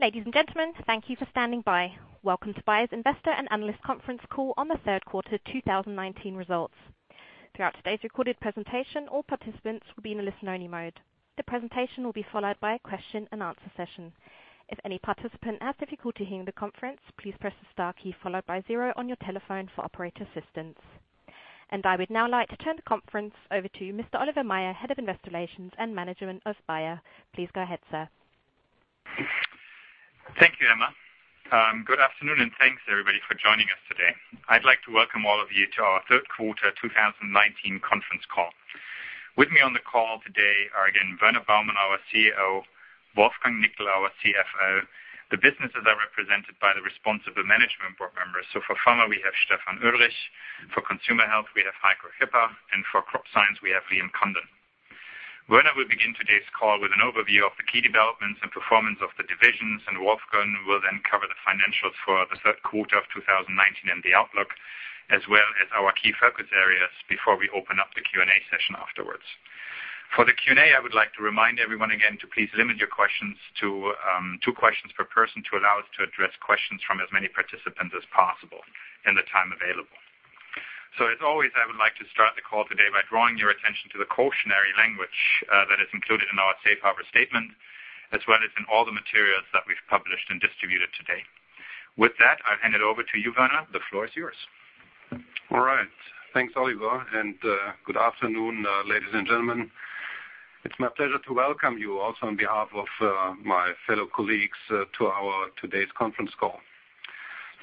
Ladies and gentlemen, thank you for standing by. Welcome to Bayer's Investor and Analyst Conference Call on the third quarter 2019 results. Throughout today's recorded presentation, all participants will be in a listen-only mode. The presentation will be followed by a question and answer session. If any participant has difficulty hearing the conference, please press the star key followed by zero on your telephone for operator assistance. I would now like to turn the conference over to Mr. Oliver Maier, Head of Investor Relations of Bayer. Please go ahead, sir. Thank you, Emma. Good afternoon. Thanks, everybody, for joining us today. I'd like to welcome all of you to our third quarter 2019 conference call. With me on the call today are again, Werner Baumann, our CEO, Wolfgang Nickl, our CFO. The businesses are represented by the responsible management board members. For Pharmaceuticals, we have Stefan Oelrich. For Bayer Consumer Health, we have Heiko Schipper. For Bayer Crop Science, we have Liam Condon. Werner will begin today's call with an overview of the key developments and performance of the divisions. Wolfgang will then cover the financials for the third quarter of 2019 and the outlook, as well as our key focus areas before we open up the Q&A session afterwards. For the Q&A, I would like to remind everyone again to please limit your questions to two questions per person to allow us to address questions from as many participants as possible in the time available. As always, I would like to start the call today by drawing your attention to the cautionary language that is included in our safe harbor statement, as well as in all the materials that we've published and distributed today. With that, I'll hand it over to you, Werner. The floor is yours. All right. Thanks, Oliver, and good afternoon, ladies and gentlemen. It is my pleasure to welcome you also on behalf of my fellow colleagues to our today's conference call.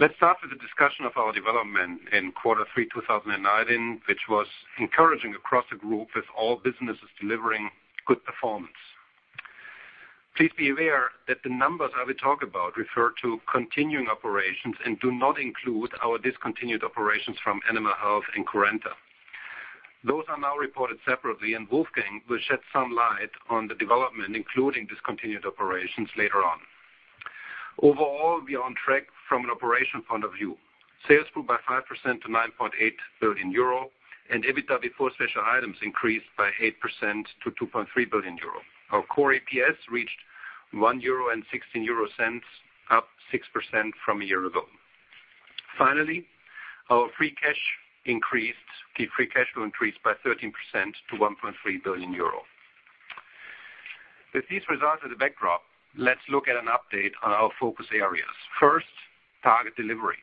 Let's start with the discussion of our development in quarter three 2019, which was encouraging across the group with all businesses delivering good performance. Please be aware that the numbers I will talk about refer to continuing operations and do not include our discontinued operations from Animal Health and Currenta. Those are now reported separately. Wolfgang will shed some light on the development, including discontinued operations later on. Overall, we are on track from an operation point of view. Sales grew by 5% to 9.8 billion euro, and EBITDA before special items increased by 8% to 2.3 billion euro. Our core EPS reached 1.16 euro, up 6% from a year ago. Finally, our free cash flow increased by 13% to 1.3 billion euro. With these results as a backdrop, let's look at an update on our focus areas. First, target delivery.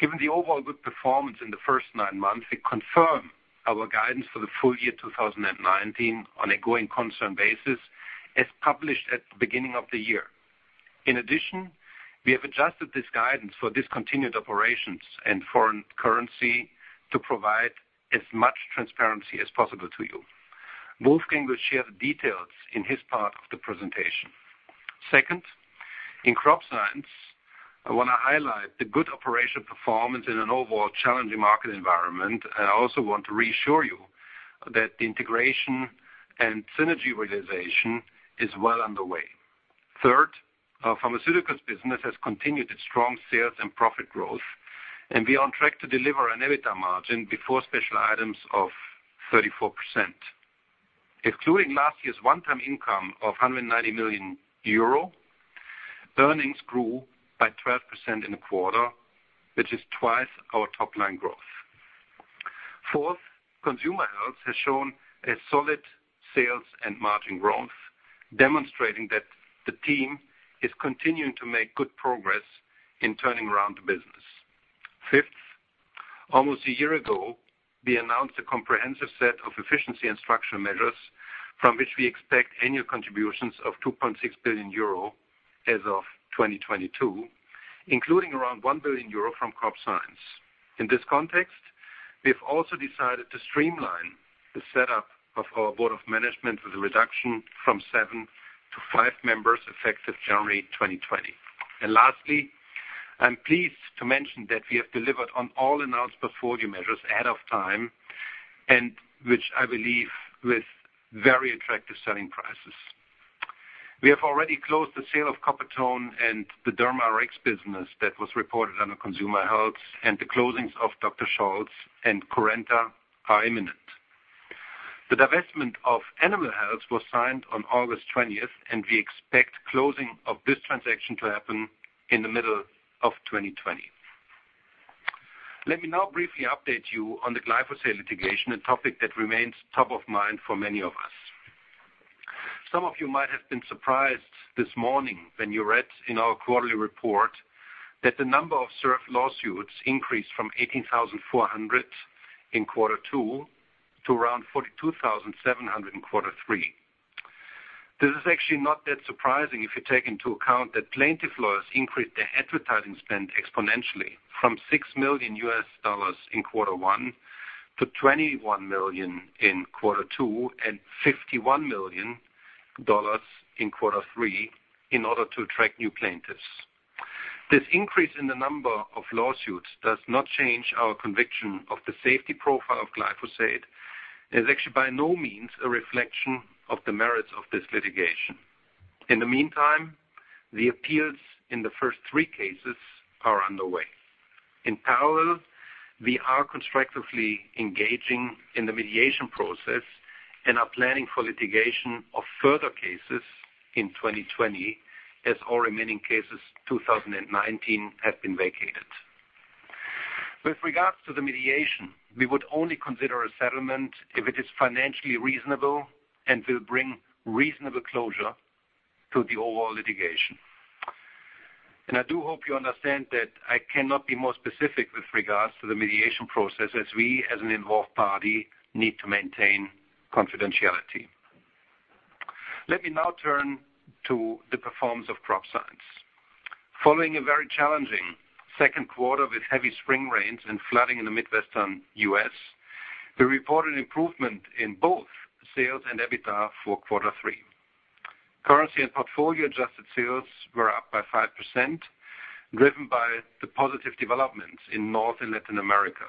Given the overall good performance in the first nine months, we confirm our guidance for the full year 2019 on a going concern basis as published at the beginning of the year. In addition, we have adjusted this guidance for discontinued operations and foreign currency to provide as much transparency as possible to you. Wolfgang will share the details in his part of the presentation. Second, in Crop Science, I want to highlight the good operational performance in an overall challenging market environment, and I also want to reassure you that the integration and synergy realization is well underway. Third, our Pharmaceuticals business has continued its strong sales and profit growth, and we are on track to deliver an EBITDA margin before special items of 34%. Excluding last year's one-time income of 190 million euro, earnings grew by 12% in the quarter, which is twice our top-line growth. Fourth, Consumer Health has shown a solid sales and margin growth, demonstrating that the team is continuing to make good progress in turning around the business. Fifth, almost a year ago, we announced a comprehensive set of efficiency and structural measures from which we expect annual contributions of 2.6 billion euro as of 2022, including around 1 billion euro from Crop Science. In this context, we have also decided to streamline the setup of our board of management with a reduction from seven to five members effective January 2020. Lastly, I'm pleased to mention that we have delivered on all announced portfolio measures ahead of time and which I believe with very attractive selling prices. We have already closed the sale of Coppertone and the Dermatology Rx business that was reported under Consumer Health, and the closings of Dr. Scholl's and Currenta are imminent. The divestment of Animal Health was signed on August 20th, and we expect closing of this transaction to happen in the middle of 2020. Let me now briefly update you on the glyphosate litigation, a topic that remains top of mind for many of us. Some of you might have been surprised this morning when you read in our quarterly report that the number of served lawsuits increased from 18,400 in quarter two to around 42,700 in quarter three. This is actually not that surprising if you take into account that plaintiff lawyers increased their advertising spend exponentially from $6 million in quarter one to $21 million in quarter two and $51 million in quarter three in order to attract new plaintiffs. This increase in the number of lawsuits does not change our conviction of the safety profile of glyphosate and is actually by no means a reflection of the merits of this litigation. In the meantime, the appeals in the first three cases are underway. In parallel, we are constructively engaging in the mediation process and are planning for litigation of further cases in 2020 as all remaining cases 2019 have been vacated. With regards to the mediation, we would only consider a settlement if it is financially reasonable and will bring reasonable closure to the overall litigation. I do hope you understand that I cannot be more specific with regards to the mediation process, as we, as an involved party, need to maintain confidentiality. Let me now turn to the performance of Crop Science. Following a very challenging second quarter with heavy spring rains and flooding in the Midwestern U.S., we reported improvement in both sales and EBITDA for quarter three. Currency and portfolio adjusted sales were up by 5%, driven by the positive developments in North and Latin America.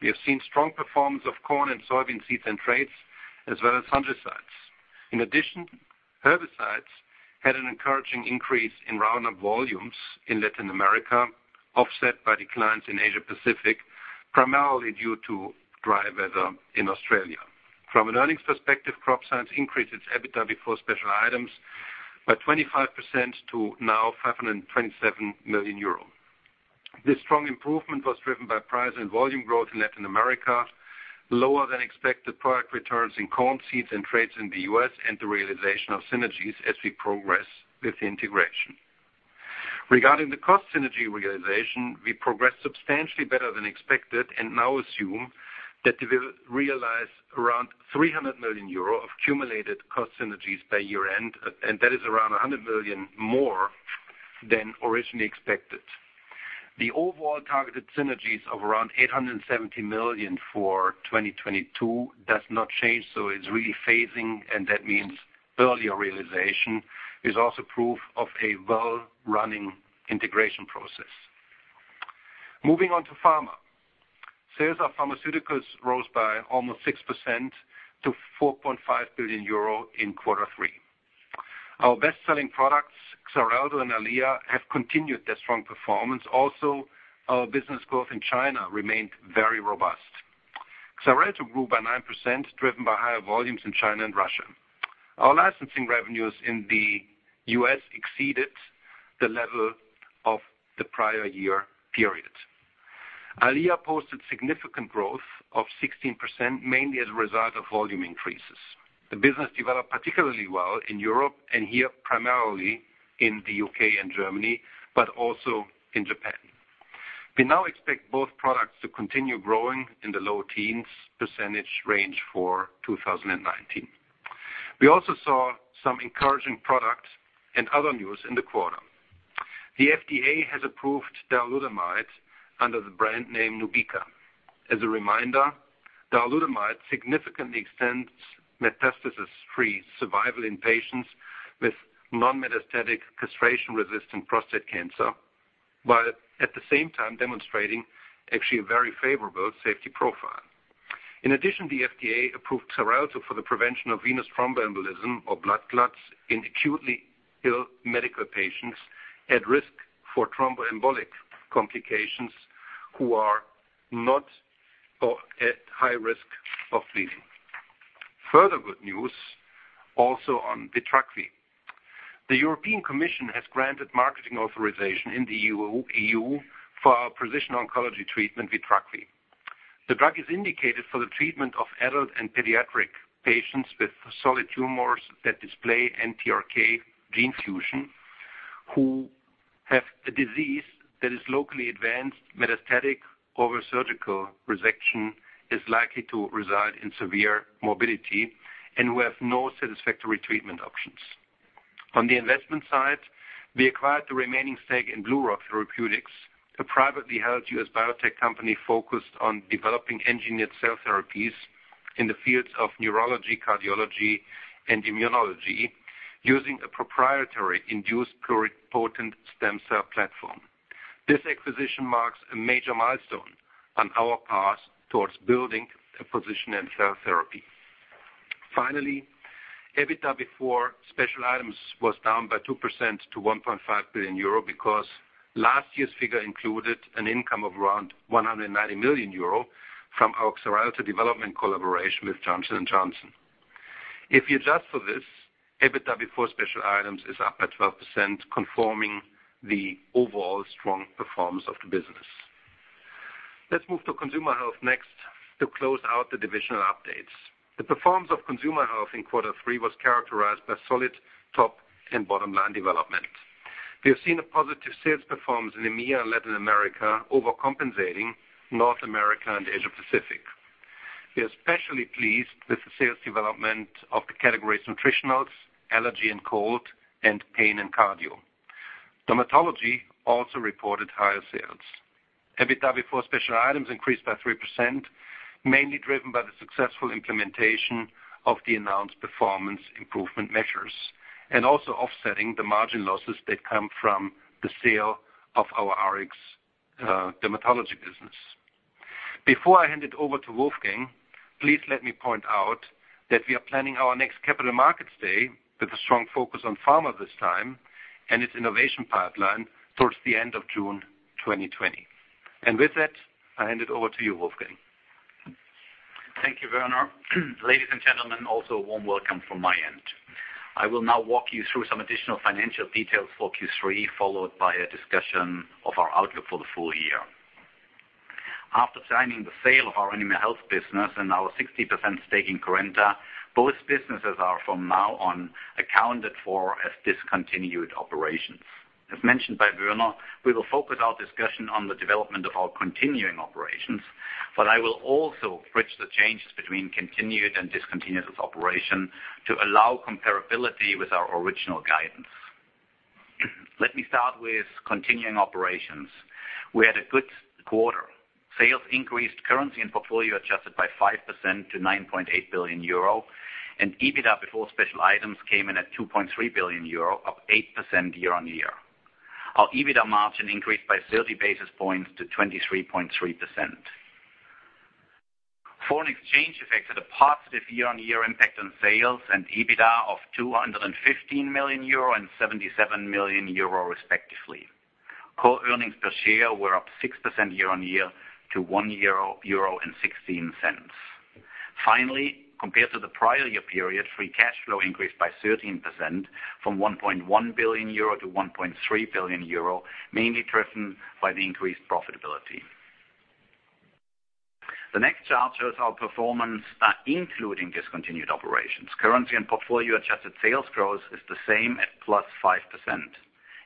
We have seen strong performance of corn and soybean seeds and trades as well as fungicides. In addition, herbicides had an encouraging increase in Roundup volumes in Latin America, offset by declines in Asia Pacific, primarily due to dry weather in Australia. From an earnings perspective, Crop Science increased its EBITDA before special items by 25% to now 527 million euros. This strong improvement was driven by price and volume growth in Latin America, lower than expected product returns in corn seeds and trades in the U.S., and the realization of synergies as we progress with the integration. Regarding the cost synergy realization, we progressed substantially better than expected and now assume that we will realize around 300 million euro of cumulative cost synergies by year-end. That is around 100 million more than originally expected. The overall targeted synergies of around 870 million for 2022 does not change. It's really phasing, and that means earlier realization is also proof of a well-running integration process. Moving on to Pharmaceuticals. Sales of Pharmaceuticals rose by almost 6% to 4.5 billion euro in quarter three. Our best-selling products, Xarelto and EYLEA, have continued their strong performance. Our business growth in China remained very robust. Xarelto grew by 9%, driven by higher volumes in China and Russia. Our licensing revenues in the U.S. exceeded the level of the prior year period. EYLEA posted significant growth of 16%, mainly as a result of volume increases. The business developed particularly well in Europe and here primarily in the U.K. and Germany, also in Japan. We now expect both products to continue growing in the low teens percentage range for 2019. We also saw some encouraging product and other news in the quarter. The FDA has approved darolutamide under the brand name NUBEQA. As a reminder, darolutamide significantly extends metastasis-free survival in patients with non-metastatic castration-resistant prostate cancer, while at the same time demonstrating actually a very favorable safety profile. In addition, the FDA approved Xarelto for the prevention of venous thromboembolism or blood clots in acutely ill medical patients at risk for thromboembolic complications who are not at high risk of bleeding. Good news also on Vitrakvi. The European Commission has granted marketing authorization in the EU for our precision oncology treatment, Vitrakvi. The drug is indicated for the treatment of adult and pediatric patients with solid tumors that display NTRK gene fusion, who have a disease that is locally advanced metastatic over surgical resection, is likely to result in severe morbidity and who have no satisfactory treatment options. On the investment side, we acquired the remaining stake in BlueRock Therapeutics, a privately held U.S. biotech company focused on developing engineered cell therapies in the fields of neurology, cardiology, and immunology using a proprietary induced pluripotent stem cell platform. This acquisition marks a major milestone on our path towards building a position in cell therapy. Finally, EBITDA before special items was down by 2% to 1.5 billion euro because last year's figure included an income of around 190 million euro from our Xarelto development collaboration with Johnson & Johnson. If you adjust for this, EBITDA before special items is up by 12%, confirming the overall strong performance of the business. Let's move to Consumer Health next to close out the divisional updates. The performance of Consumer Health in quarter three was characterized by solid top and bottom line development. We have seen a positive sales performance in EMEA and Latin America overcompensating North America and Asia Pacific. We are especially pleased with the sales development of the categories Nutritionals, Allergy and Cold, and Pain and Cardio. Dermatology also reported higher sales. EBITDA before special items increased by 3%, mainly driven by the successful implementation of the announced performance improvement measures and also offsetting the margin losses that come from the sale of our Dermatology Rx business. Before I hand it over to Wolfgang, please let me point out that we are planning our next capital markets day with a strong focus on Pharma this time and its innovation pipeline towards the end of June 2020. With that, I hand it over to you, Wolfgang. Thank you, Werner. Ladies and gentlemen, also a warm welcome from my end. I will now walk you through some additional financial details for Q3, followed by a discussion of our outlook for the full year. After signing the sale of our animal health business and our 60% stake in Currenta, both businesses are from now on accounted for as discontinued operations. As mentioned by Werner, we will focus our discussion on the development of our continuing operations, but I will also bridge the changes between continued and discontinued operations to allow comparability with our original guidance. Let me start with continuing operations. We had a good quarter. Sales increased currency and portfolio adjusted by 5% to 9.8 billion euro and EBITDA before special items came in at 2.3 billion euro, up 8% year-on-year. Our EBITDA margin increased by 30 basis points to 23.3%. Foreign exchange effects had a positive year-on-year impact on sales and EBITDA of 215 million euro and 77 million euro, respectively. Core earnings per share were up 6% year-on-year to 1.16 euro. Finally, compared to the prior year period, free cash flow increased by 13%, from 1.1 billion euro to 1.3 billion euro, mainly driven by the increased profitability. The next chart shows our performance including discontinued operations. Currency and portfolio-adjusted sales growth is the same at plus 5%.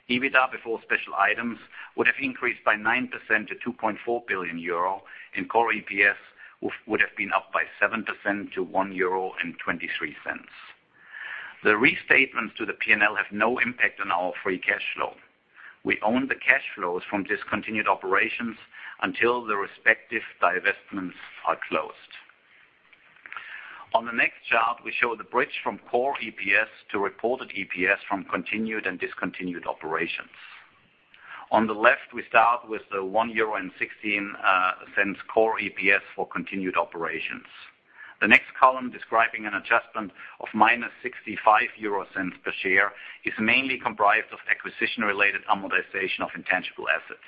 EBITDA before special items would have increased by 9% to 2.4 billion euro and core EPS would have been up by 7% to 1.23 euro. The restatements to the P&L have no impact on our free cash flow. We own the cash flows from discontinued operations until the respective divestments are closed. On the next chart, we show the bridge from core EPS to reported EPS from continued and discontinued operations. On the left, we start with the 1.16 euro core EPS for continued operations. The next column describing an adjustment of minus 0.65 per share is mainly comprised of acquisition-related amortization of intangible assets.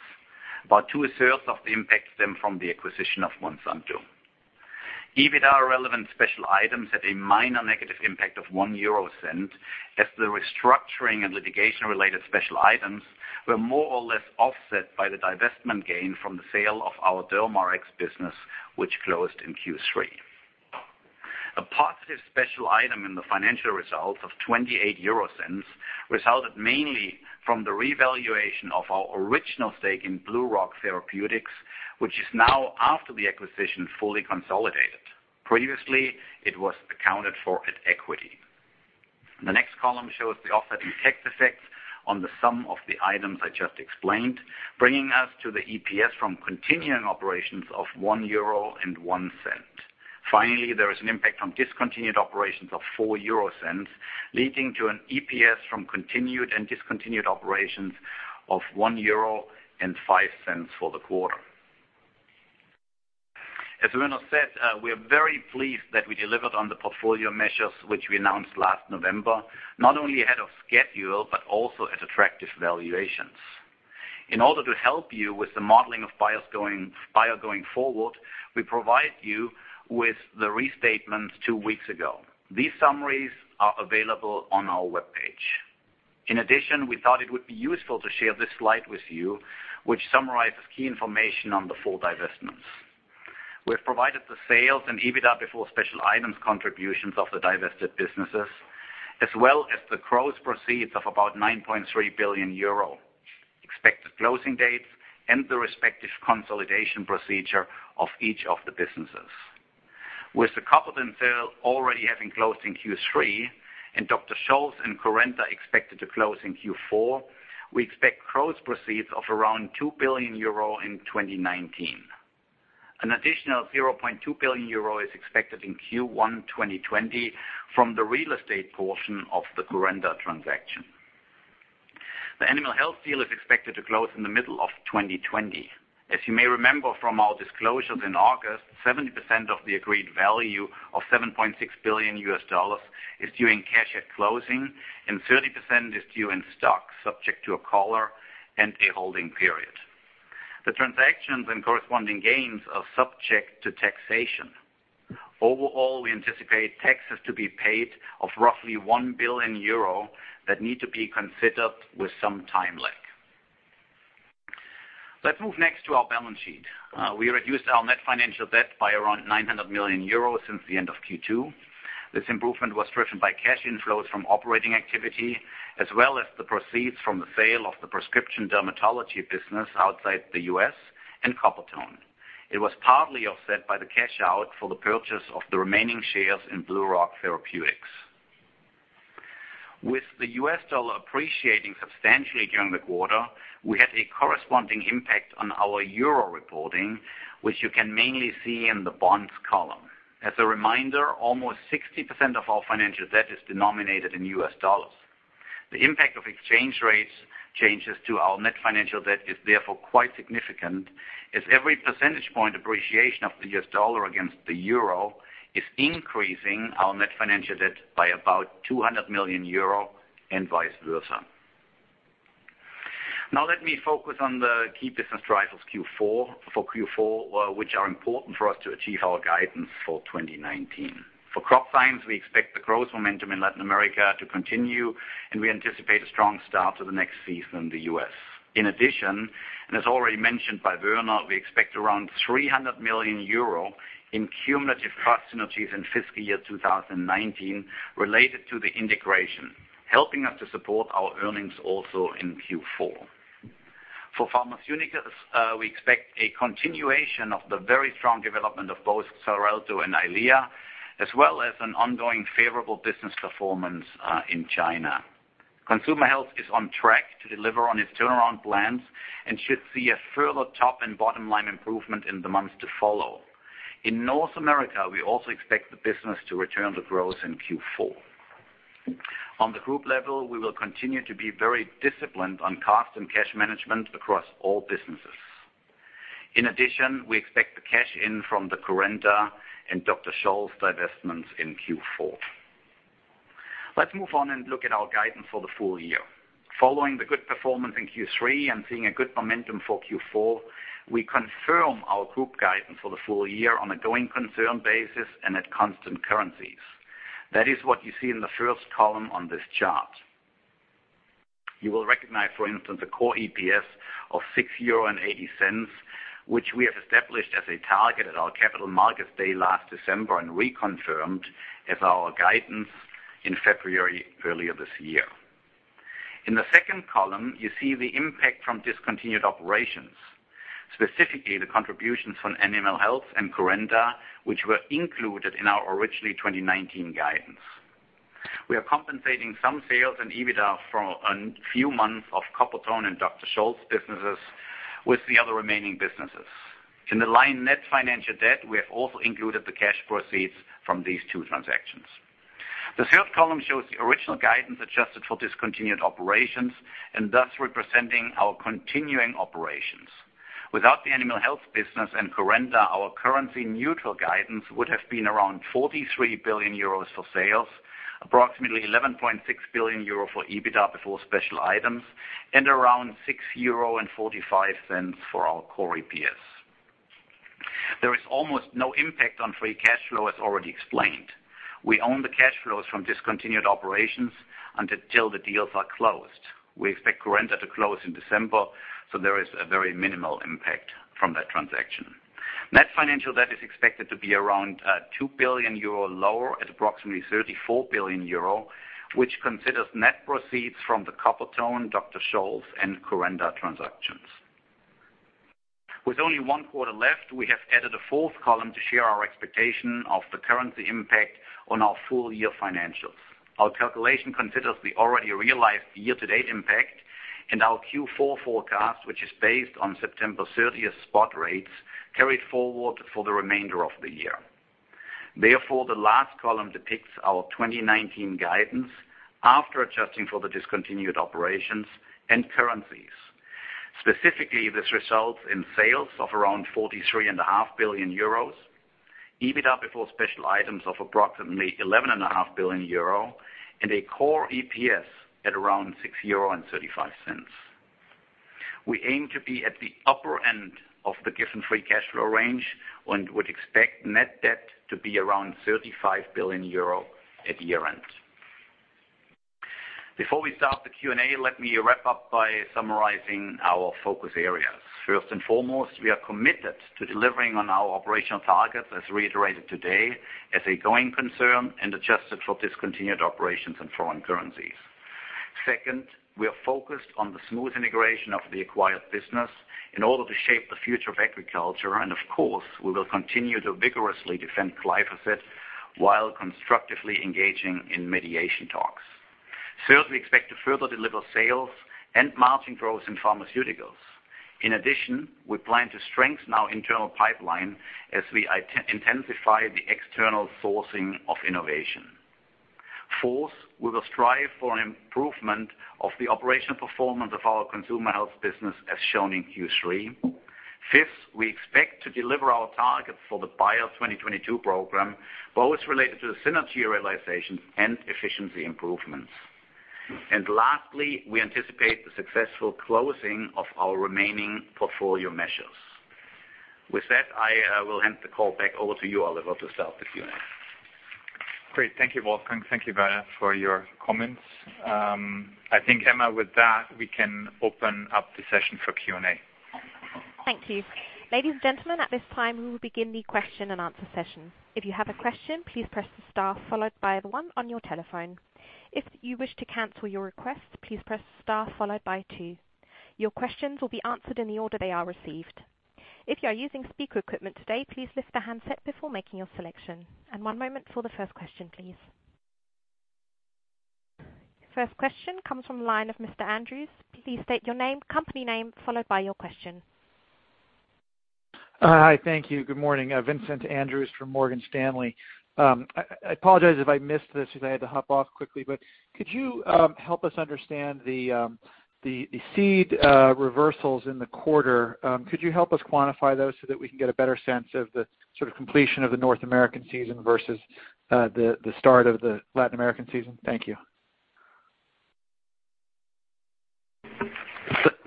About two-thirds of the impact stem from the acquisition of Monsanto. EBITDA relevant special items had a minor negative impact of 0.01 as the restructuring and litigation-related special items were more or less offset by the divestment gain from the sale of our Dermatology Rx business, which closed in Q3. A positive special item in the financial results of 0.28 resulted mainly from the revaluation of our original stake in BlueRock Therapeutics, which is now after the acquisition, fully consolidated. Previously, it was accounted for at equity. The next column shows the offsetting tax effect on the sum of the items I just explained, bringing us to the EPS from continuing operations of 1.01 euro. Finally, there is an impact on discontinued operations of 0.04, leading to an EPS from continued and discontinued operations of 1.05 euro for the quarter. As Werner said, we are very pleased that we delivered on the portfolio measures which we announced last November, not only ahead of schedule but also at attractive valuations. In order to help you with the modeling of Bayer going forward, we provide you with the restatements two weeks ago. These summaries are available on our webpage. We thought it would be useful to share this slide with you, which summarizes key information on the full divestments. We have provided the sales and EBITDA before special items contributions of the divested businesses, as well as the gross proceeds of about 9.3 billion euro, expected closing dates, and the respective consolidation procedure of each of the businesses. With the Coppertone sale already having closed in Q3 and Dr. Scholl's and Currenta expected to close in Q4, we expect gross proceeds of around 2 billion euro in 2019. An additional 0.2 billion euro is expected in Q1 2020 from the real estate portion of the Currenta transaction. The animal health deal is expected to close in the middle of 2020. As you may remember from our disclosures in August, 70% of the agreed value of $7.6 billion is due in cash at closing, and 30% is due in stock, subject to a collar and a holding period. The transactions and corresponding gains are subject to taxation. Overall, we anticipate taxes to be paid of roughly 1 billion euro that need to be considered with some time lag. Let's move next to our balance sheet. We reduced our net financial debt by around 900 million euros since the end of Q2. This improvement was driven by cash inflows from operating activity as well as the proceeds from the sale of the prescription Dermatology business outside the U.S. and Coppertone. It was partly offset by the cash out for the purchase of the remaining shares in BlueRock Therapeutics. With the U.S. dollar appreciating substantially during the quarter, we had a corresponding impact on our EUR reporting, which you can mainly see in the bonds column. As a reminder, almost 60% of our financial debt is denominated in U.S. dollars. The impact of exchange rates changes to our net financial debt is therefore quite significant, as every percentage point appreciation of the U.S. dollar against the euro is increasing our net financial debt by about 200 million euro and vice versa. Let me focus on the key business drivers for Q4, which are important for us to achieve our guidance for 2019. For Crop Science, we expect the growth momentum in Latin America to continue, and we anticipate a strong start to the next season in the U.S. In addition, and as already mentioned by Werner, we expect around 300 million euro in cumulative cost synergies in fiscal year 2019 related to the integration, helping us to support our earnings also in Q4. For Pharmaceuticals, we expect a continuation of the very strong development of both XARELTO and EYLEA, as well as an ongoing favorable business performance in China. Consumer Health is on track to deliver on its turnaround plans and should see a further top and bottom line improvement in the months to follow. In North America, we also expect the business to return to growth in Q4. On the group level, we will continue to be very disciplined on cost and cash management across all businesses. In addition, we expect the cash in from the Currenta and Dr. Scholl's divestments in Q4. Let's move on and look at our guidance for the full year. Following the good performance in Q3 and seeing a good momentum for Q4, we confirm our group guidance for the full year on a going concern basis and at constant currencies. That is what you see in the first column on this chart. You will recognize, for instance, a core EPS of 6.80 euro, which we have established as a target at our capital markets day last December and reconfirmed as our guidance in February earlier this year. In the second column, you see the impact from discontinued operations, specifically the contributions from Animal Health and Currenta, which were included in our originally 2019 guidance. We are compensating some sales and EBITDA for a few months of Coppertone and Dr. Scholl's businesses with the other remaining businesses. In the line net financial debt, we have also included the cash proceeds from these two transactions. The third column shows the original guidance adjusted for discontinued operations and thus representing our continuing operations. Without the Animal Health business and Currenta, our currency neutral guidance would have been around 43 billion euros for sales, approximately 11.6 billion euro for EBITDA before special items, and around 6.45 euro for our core EPS. There is almost no impact on free cash flow as already explained. We own the cash flows from discontinued operations until the deals are closed. We expect Currenta to close in December, there is a very minimal impact from that transaction. Net financial debt is expected to be around 2 billion euro lower at approximately 34 billion euro, which considers net proceeds from the Coppertone, Dr. Scholl's, and Currenta transactions. With only one quarter left, we have added a fourth column to share our expectation of the currency impact on our full-year financials. Our calculation considers the already realized year-to-date impact and our Q4 forecast, which is based on September 30th spot rates carried forward for the remainder of the year. The last column depicts our 2019 guidance after adjusting for the discontinued operations and currencies. Specifically, this results in sales of around 43.5 billion euros, EBITDA before special items of approximately 11.5 billion euro, and a core EPS at around 6.35 euro. We aim to be at the upper end of the given free cash flow range and would expect net debt to be around 35 billion euro at year-end. Before we start the Q&A, let me wrap up by summarizing our focus areas. First and foremost, we are committed to delivering on our operational targets as reiterated today as a going concern and adjusted for discontinued operations and foreign currencies. Second, we are focused on the smooth integration of the acquired business in order to shape the future of agriculture. Of course, we will continue to vigorously defend glyphosate while constructively engaging in mediation talks. Third, we expect to further deliver sales and margin growth in Pharmaceuticals. In addition, we plan to strengthen our internal pipeline as we intensify the external sourcing of innovation. Fourth, we will strive for improvement of the operational performance of our Consumer Health business as shown in Q3. Fifth, we expect to deliver our targets for the Bayer 2022 program, both related to the synergy realization and efficiency improvements. Lastly, we anticipate the successful closing of our remaining portfolio measures. With that, I will hand the call back over to you, Oliver, to start the Q&A. Great. Thank you, Wolfgang. Thank you very for your comments. I think, Emma, with that, we can open up the session for Q&A. Thank you. Ladies and gentlemen, at this time, we will begin the question and answer session. If you have a question, please press star followed by one on your telephone. If you wish to cancel your request, please press star followed by two. Your questions will be answered in the order they are received. If you are using speaker equipment today, please lift the handset before making your selection. One moment for the first question, please. First question comes from the line of Mr. Andrews. Please state your name, company name, followed by your question. Hi. Thank you. Good morning. Vincent Andrews from Morgan Stanley. I apologize if I missed this because I had to hop off quickly, but could you help us understand the seed reversals in the quarter? Could you help us quantify those so that we can get a better sense of the completion of the North American season versus the start of the Latin American season? Thank you.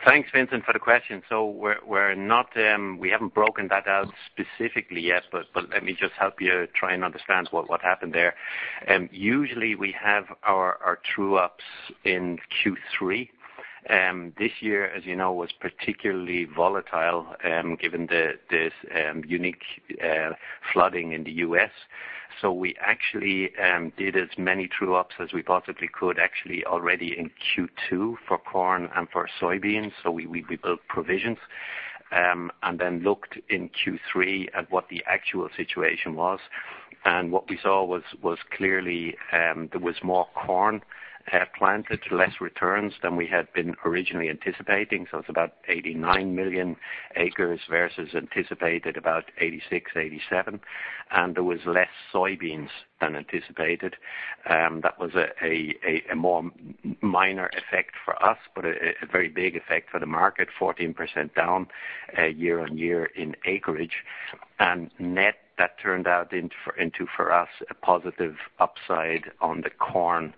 Thanks, Vincent, for the question. We haven't broken that out specifically yet, but let me just help you try and understand what happened there. Usually, we have our true-ups in Q3. This year, as you know, was particularly volatile given this unique flooding in the U.S. We actually did as many true-ups as we possibly could actually already in Q2 for corn and for soybeans. We built provisions, and then looked in Q3 at what the actual situation was. What we saw was clearly there was more corn planted, less returns than we had been originally anticipating. It's about 89 million acres versus anticipated about 86, 87. There was less soybeans than anticipated. That was a more minor effect for us, but a very big effect for the market, 14% down year-on-year in acreage. Net, that turned out into, for us, a positive upside on the corn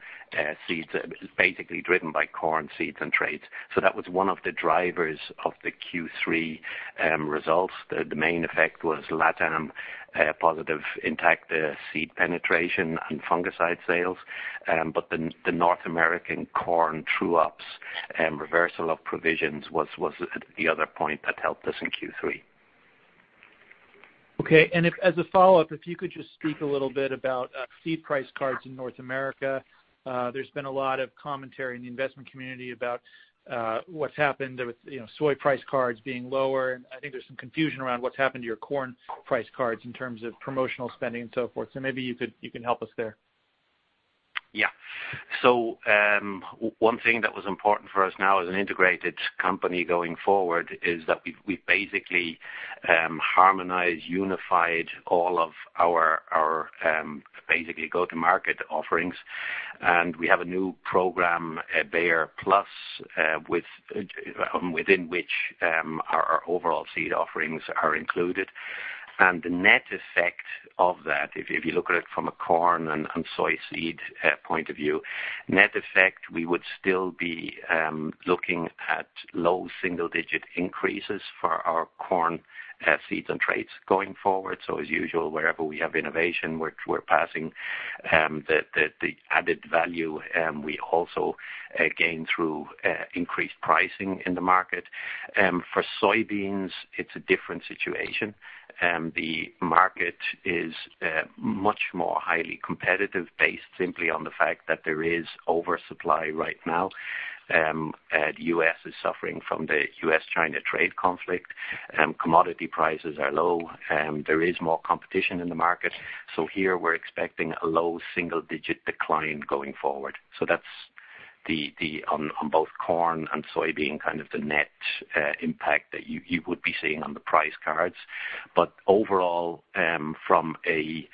seeds, basically driven by corn seeds and trades. That was one of the drivers of the Q3 results. The main effect was LatAm positive Intacta seed penetration and fungicide sales. The North American corn true-ups and reversal of provisions was the other point that helped us in Q3. Okay. As a follow-up, if you could just speak a little bit about seed price cards in North America. There's been a lot of commentary in the investment community about what's happened with soy price cards being lower, and I think there's some confusion around what's happened to your corn price cards in terms of promotional spending and so forth. Maybe you can help us there. Yeah. One thing that was important for us now as an integrated company going forward is that we basically harmonize, unified all of our basically go-to-market offerings, and we have a new program, Bayer PLUS, within which our overall seed offerings are included. The net effect of that, if you look at it from a corn and soy seed point of view, net effect, we would still be looking at low single-digit increases for our corn seeds and trades going forward. As usual, wherever we have innovation, we're passing the added value we also gain through increased pricing in the market. For soybeans, it's a different situation. The market is much more highly competitive based simply on the fact that there is oversupply right now. The U.S. is suffering from the U.S.-China trade conflict. Commodity prices are low. There is more competition in the market. Here we're expecting a low single-digit decline going forward. That's on both corn and soybean, kind of the net impact that you would be seeing on the price cards. Overall, from a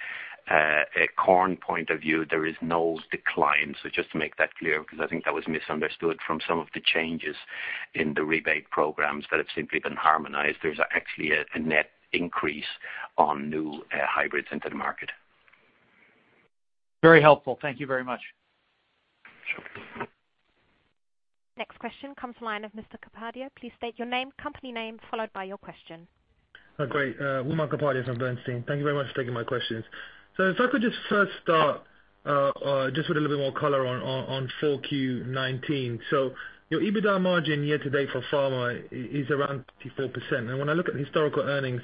corn point of view, there is no decline. Just to make that clear, because I think that was misunderstood from some of the changes in the rebate programs that have simply been harmonized. There's actually a net increase on new hybrids into the market. Very helpful. Thank you very much. Sure. Next question comes the line of Mr. Raffat. Please state your name, company name, followed by your question. Great. Umer Raffat from Bernstein. Thank you very much for taking my questions. If I could just first start just with a little bit more color on full Q 2019. Your EBITDA margin year to date for Pharma is around 54%. When I look at historical earnings,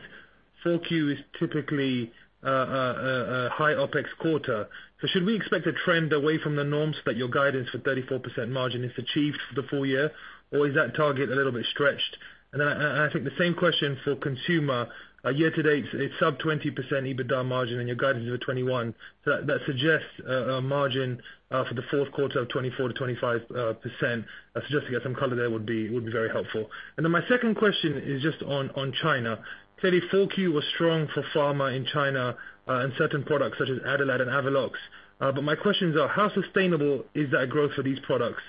Q4 is typically a high OpEx quarter. Should we expect a trend away from the norms that your guidance for 34% margin is achieved for the full year? Is that target a little bit stretched? I think the same question for Consumer. Year to date, it's sub 20% EBITDA margin and your guidance is at 21%. That suggests a margin for the fourth quarter of 24%-25%. Just to get some color there would be very helpful. My second question is just on China. Teddy, 4Q was strong for pharma in China and certain products such as Adalat and Avelox. My questions are, how sustainable is that growth for these products?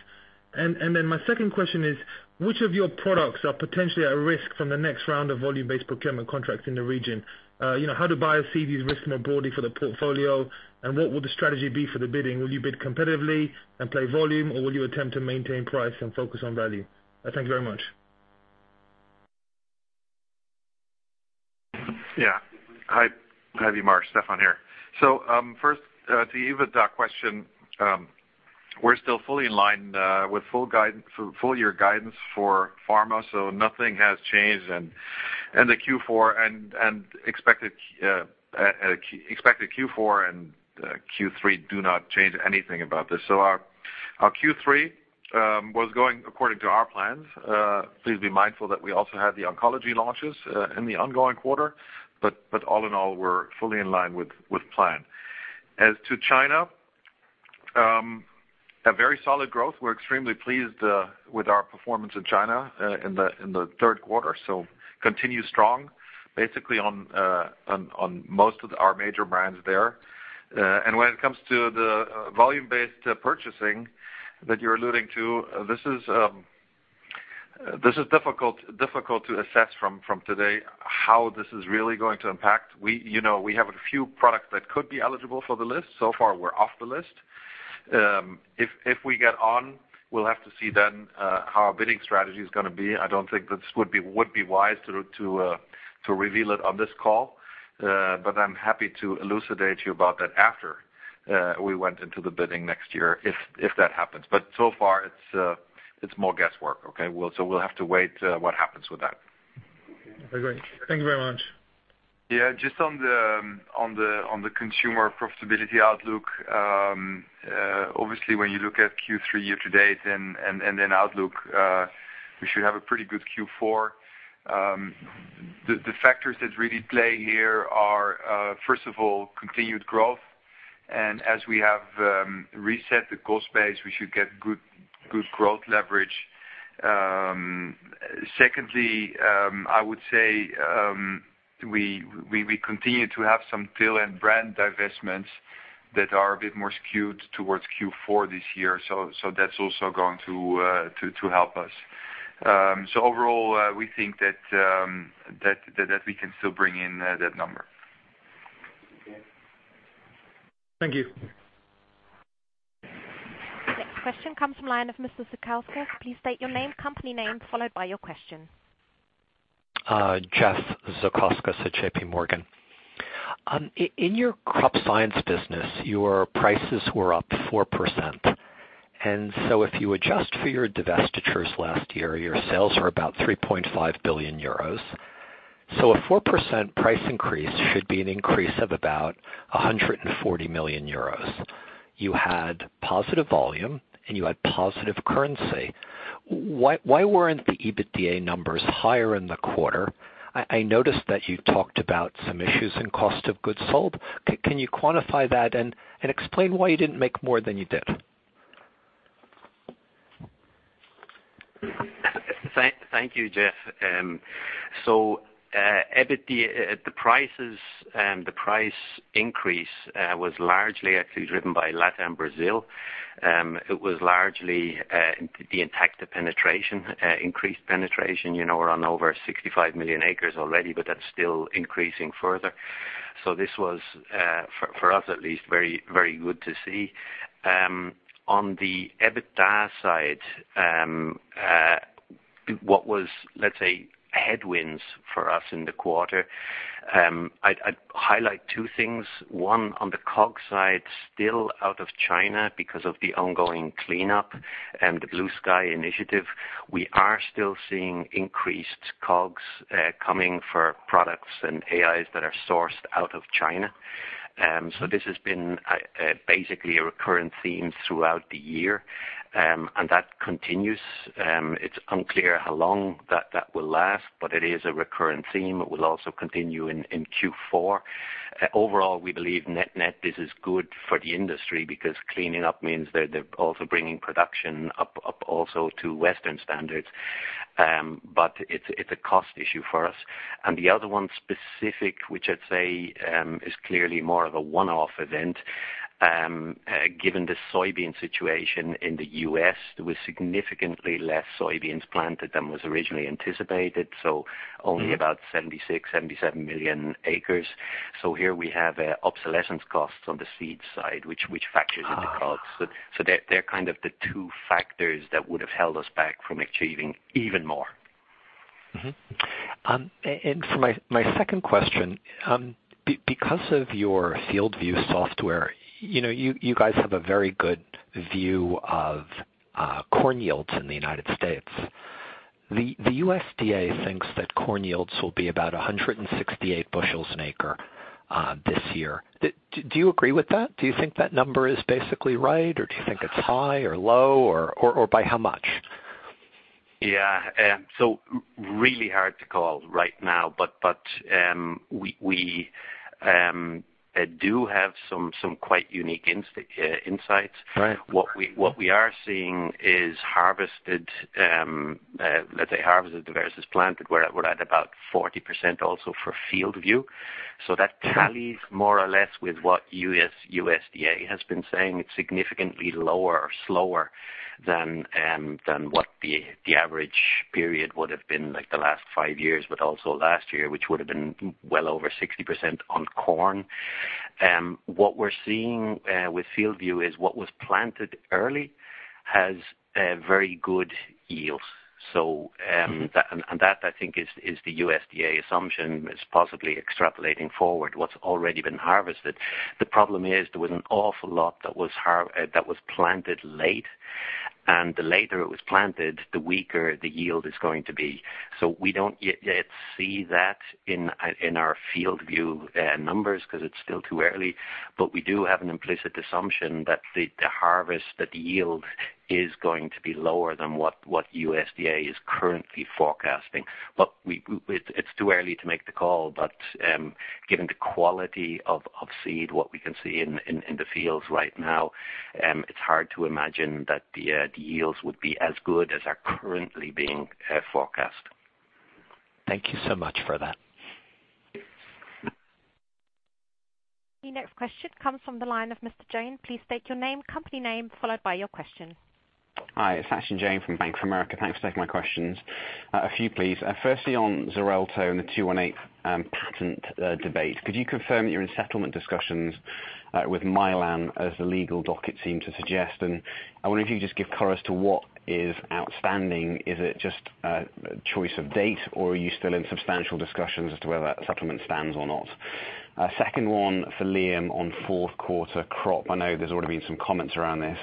My second question is, which of your products are potentially at risk from the next round of volume-based procurement contracts in the region? How do buyers see these risks more broadly for the portfolio, and what will the strategy be for the bidding? Will you bid competitively and play volume, or will you attempt to maintain price and focus on value? Thank you very much. Yeah. Hi, Umer. Stefan here. First to the EBITDA question, we're still fully in line with full year guidance for Pharmaceuticals, so nothing has changed. Expected Q4 and Q3 do not change anything about this. Our Q3 was going according to our plans. Please be mindful that we also had the oncology launches in the ongoing quarter, but all in all, we're fully in line with plan. As to China A very solid growth. We're extremely pleased with our performance in China in the third quarter. Continue strong, basically on most of our major brands there. When it comes to the volume-based purchasing that you're alluding to, this is difficult to assess from today how this is really going to impact. We have a few products that could be eligible for the list. So far, we're off the list. If we get on, we'll have to see then how our bidding strategy is going to be. I don't think this would be wise to reveal it on this call. I'm happy to elucidate you about that after we went into the bidding next year if that happens. So far it's more guesswork, okay? We'll have to wait what happens with that. Okay, great. Thank you very much. Yeah, just on the Consumer profitability outlook. Obviously, when you look at Q3 year-to-date and then outlook, we should have a pretty good Q4. The factors that really play here are, first of all, continued growth. As we have reset the cost base, we should get good growth leverage. Secondly, I would say we continue to have some tail-end brand divestments that are a bit more skewed towards Q4 this year. That's also going to help us. Overall, we think that we can still bring in that number. Okay. Thank you. Next question comes from line of Mr. Holford. Please state your name, company name, followed by your question. Jeff Holford, JPMorgan. In your Crop Science business, your prices were up 4%. If you adjust for your divestitures last year, your sales were about 3.5 billion euros. A 4% price increase should be an increase of about 140 million euros. You had positive volume and you had positive currency. Why weren't the EBITDA numbers higher in the quarter? I noticed that you talked about some issues in COGS. Can you quantify that and explain why you didn't make more than you did? Thank you, Jeff. EBITDA, the price increase was largely actually driven by LatAm Brazil. It was largely the impact of penetration, increased penetration. We're on over 65 million acres already, but that's still increasing further. This was, for us at least, very good to see. On the EBITDA side, what was, let's say, headwinds for us in the quarter, I'd highlight two things. One, on the COGS side, still out of China because of the ongoing cleanup and the Blue Sky initiative, we are still seeing increased COGS coming for products and AIs that are sourced out of China. This has been basically a recurring theme throughout the year, and that continues. It's unclear how long that will last, but it is a recurring theme. It will also continue in Q4. Overall, we believe net this is good for the industry because cleaning up means they're also bringing production up also to Western standards. It's a cost issue for us. The other one specific, which I'd say is clearly more of a one-off event, given the soybean situation in the U.S., there was significantly less soybeans planted than was originally anticipated, so only about 76, 77 million acres. Here we have obsolescence costs on the seed side, which factors into COGS. They're kind of the two factors that would have held us back from achieving even more. Mm-hmm. For my second question, because of your FieldView software, you guys have a very good view of corn yields in the U.S. The USDA thinks that corn yields will be about 168 bushels an acre this year. Do you agree with that? Do you think that number is basically right, or do you think it's high or low, or by how much? Yeah. Really hard to call right now, but we do have some quite unique insights. Right. What we are seeing is harvested, let's say harvested versus planted, we're at about 40% also for FieldView. That tallies more or less with what USDA has been saying. It's significantly lower or slower than what the average period would have been like the last five years, but also last year, which would have been well over 60% on corn. What we're seeing with FieldView is what was planted early has very good yields. That I think is the USDA assumption is possibly extrapolating forward what's already been harvested. The problem is there was an awful lot that was planted late, and the later it was planted, the weaker the yield is going to be. We don't yet see that in our FieldView numbers because it's still too early. We do have an implicit assumption that the harvest, that the yield is going to be lower than what USDA is currently forecasting. It's too early to make the call. Given the quality of seed, what we can see in the fields right now, it's hard to imagine that the yields would be as good as are currently being forecast. Thank you so much for that. Your next question comes from the line of Mr. Jain. Please state your name, company name, followed by your question. Hi, it's Sachin Jain from Bank of America. Thanks for taking my questions. A few, please. Firstly, on XARELTO and the '218 patent debate, could you confirm that you're in settlement discussions with Mylan as the legal docket seem to suggest? I wonder if you could just give color as to what is outstanding. Is it just a choice of date, or are you still in substantial discussions as to whether that settlement stands or not? Second one for Liam on fourth quarter crop. I know there's already been some comments around this.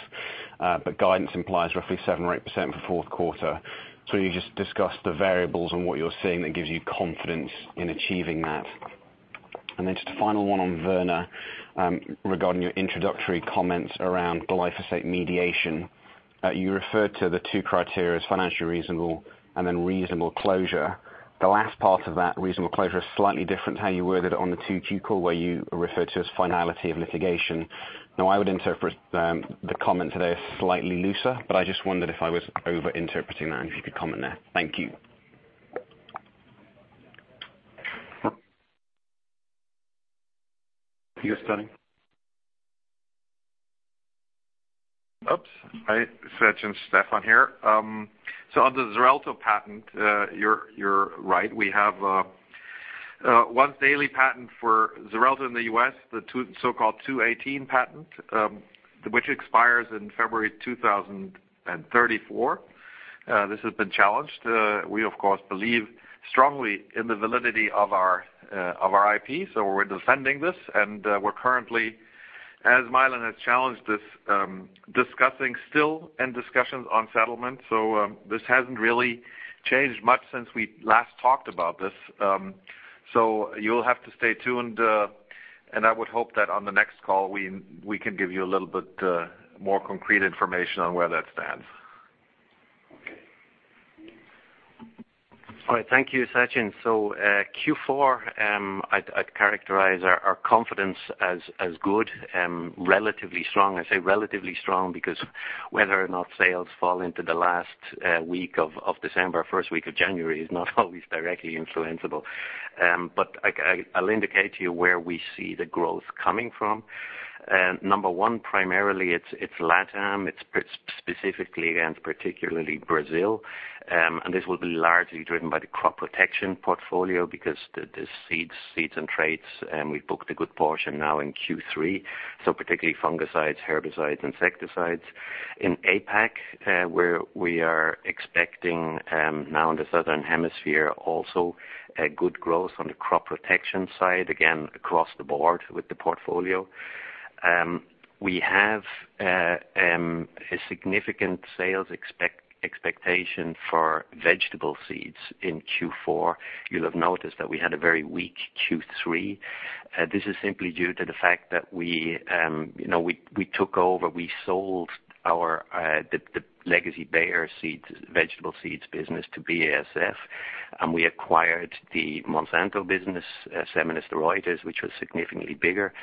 Guidance implies roughly 7% or 8% for fourth quarter. You just discussed the variables on what you're seeing that gives you confidence in achieving that. Then just a final one on Werner regarding your introductory comments around glyphosate mediation. You referred to the two criteria as financially reasonable and then reasonable closure. The last part of that reasonable closure is slightly different to how you worded on the 2Q call where you referred to as finality of litigation. Now, I would interpret the comment today as slightly looser, but I just wondered if I was over-interpreting that and if you could comment there. Thank you. You're starting. Oops. Hi, Sachin. Stefan here. On the Xarelto patent, you're right. We have a once-daily patent for Xarelto in the U.S., the so-called '218 patent, which expires in February 2034. This has been challenged. We, of course, believe strongly in the validity of our IP. We're defending this, and we're currently, as Mylan has challenged this, still in discussions on settlement. This hasn't really changed much since we last talked about this. You'll have to stay tuned. I would hope that on the next call, we can give you a little bit more concrete information on where that stands. Okay. All right. Thank you, Sachin. Q4, I'd characterize our confidence as good and relatively strong. I say relatively strong because whether or not sales fall into the last week of December or first week of January is not always directly influenceable. I'll indicate to you where we see the growth coming from. Number one, primarily, it's LATAM. It's specifically and particularly Brazil. This will be largely driven by the crop protection portfolio because the seeds and traits, and we've booked a good portion now in Q3, particularly fungicides, herbicides, insecticides. In APAC, where we are expecting now in the southern hemisphere also a good growth on the crop protection side, again, across the board with the portfolio. We have a significant sales expectation for vegetable seeds in Q4. You'll have noticed that we had a very weak Q3. This is simply due to the fact that we took over, we sold the legacy Bayer vegetable seeds business to BASF, and we acquired the Monsanto business, Seminis/De Ruiter, which was significantly bigger.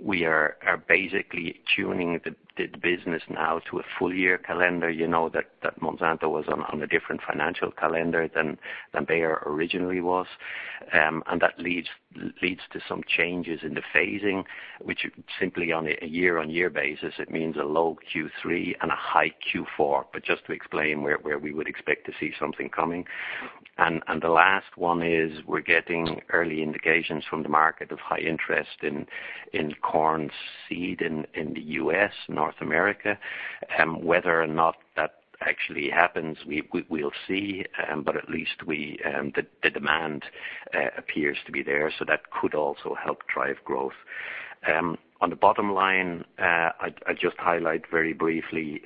We are basically tuning the business now to a full-year calendar that Monsanto was on a different financial calendar than Bayer originally was. That leads to some changes in the phasing, which simply on a year-on-year basis, it means a low Q3 and a high Q4, just to explain where we would expect to see something coming. The last one is we're getting early indications from the market of high interest in corn seed in the U.S., North America. Whether or not that actually happens, we'll see. At least the demand appears to be there, that could also help drive growth. On the bottom line, I just highlight very briefly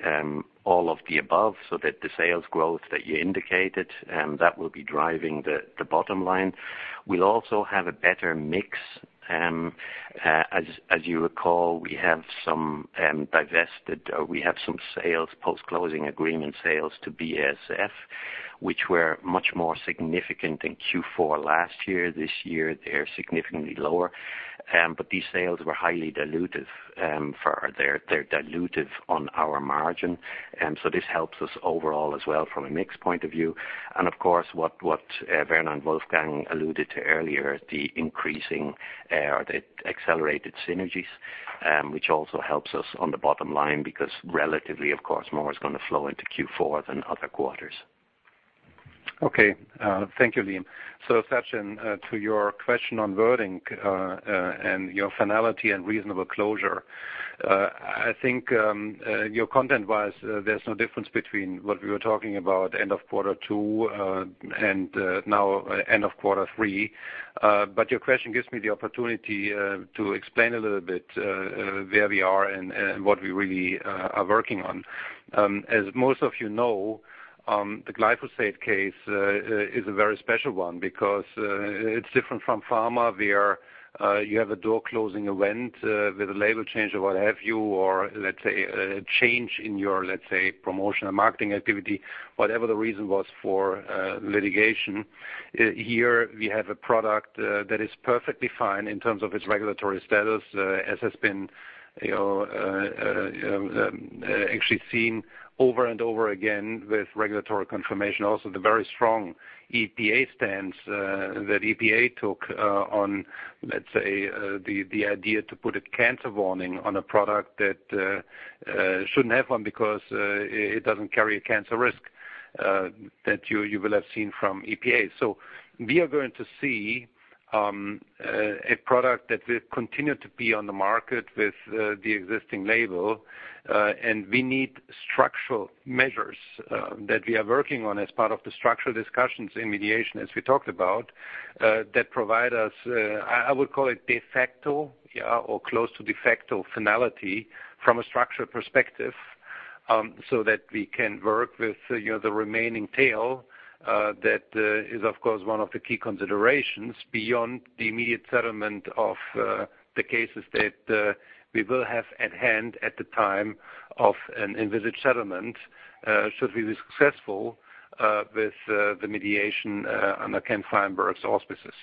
all of the above so that the sales growth that you indicated, that will be driving the bottom line. We'll also have a better mix. As you recall, we have some divested. We have some post-closing agreement sales to BASF, which were much more significant in Q4 last year. This year, they're significantly lower. These sales were highly dilutive. They're dilutive on our margin. This helps us overall as well from a mix point of view. Of course, what Werner and Wolfgang alluded to earlier, the increasing or the accelerated synergies, which also helps us on the bottom line because relatively, of course, more is going to flow into Q4 than other quarters. Okay. Thank you, Liam. Sachin, to your question on wording and your finality and reasonable closure, I think your content-wise, there's no difference between what we were talking about end of quarter two and now end of quarter three. Your question gives me the opportunity to explain a little bit where we are and what we really are working on. As most of you know, the glyphosate case is a very special one because it's different from pharma, where you have a door-closing event with a label change or what have you, or let's say, a change in your promotion or marketing activity, whatever the reason was for litigation. Here we have a product that is perfectly fine in terms of its regulatory status, as has been actually seen over and over again with regulatory confirmation. The very strong EPA stance that EPA took on, let's say, the idea to put a cancer warning on a product that shouldn't have one because it doesn't carry a cancer risk that you will have seen from EPA. We are going to see a product that will continue to be on the market with the existing label. We need structural measures that we are working on as part of the structural discussions in mediation, as we talked about, that provide us, I would call it de facto or close to de facto finality from a structural perspective, so that we can work with the remaining tail. That is, of course, one of the key considerations beyond the immediate settlement of the cases that we will have at hand at the time of an end user settlement, should we be successful with the mediation under Kenneth Feinberg's auspices.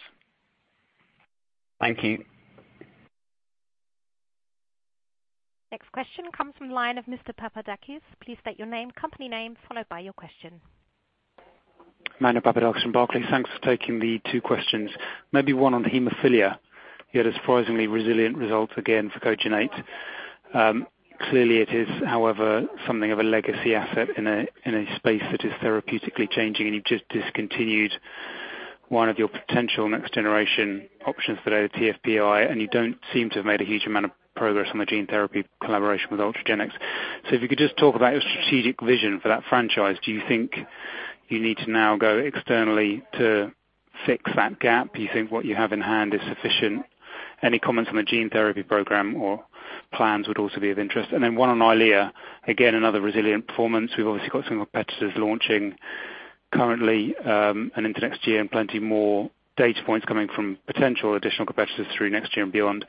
Thank you. Next question comes from line of Mr. Papadakis. Please state your name, company name, followed by your question. Emmanuel Papadakis from Barclays. Thanks for taking the two questions. Maybe one on hemophilia. You had surprisingly resilient results again for Kogenate. Clearly it is, however, something of a legacy asset in a space that is therapeutically changing, and you've just discontinued one of your potential next generation options for the TFPI, and you don't seem to have made a huge amount of progress on the gene therapy collaboration with Ultragenyx. If you could just talk about your strategic vision for that franchise. Do you think you need to now go externally to fix that gap? Do you think what you have in hand is sufficient? Any comments on the gene therapy program or plans would also be of interest. Then one on EYLEA. Again, another resilient performance. We've obviously got some competitors launching currently, and into next year, and plenty more data points coming from potential additional competitors through next year and beyond.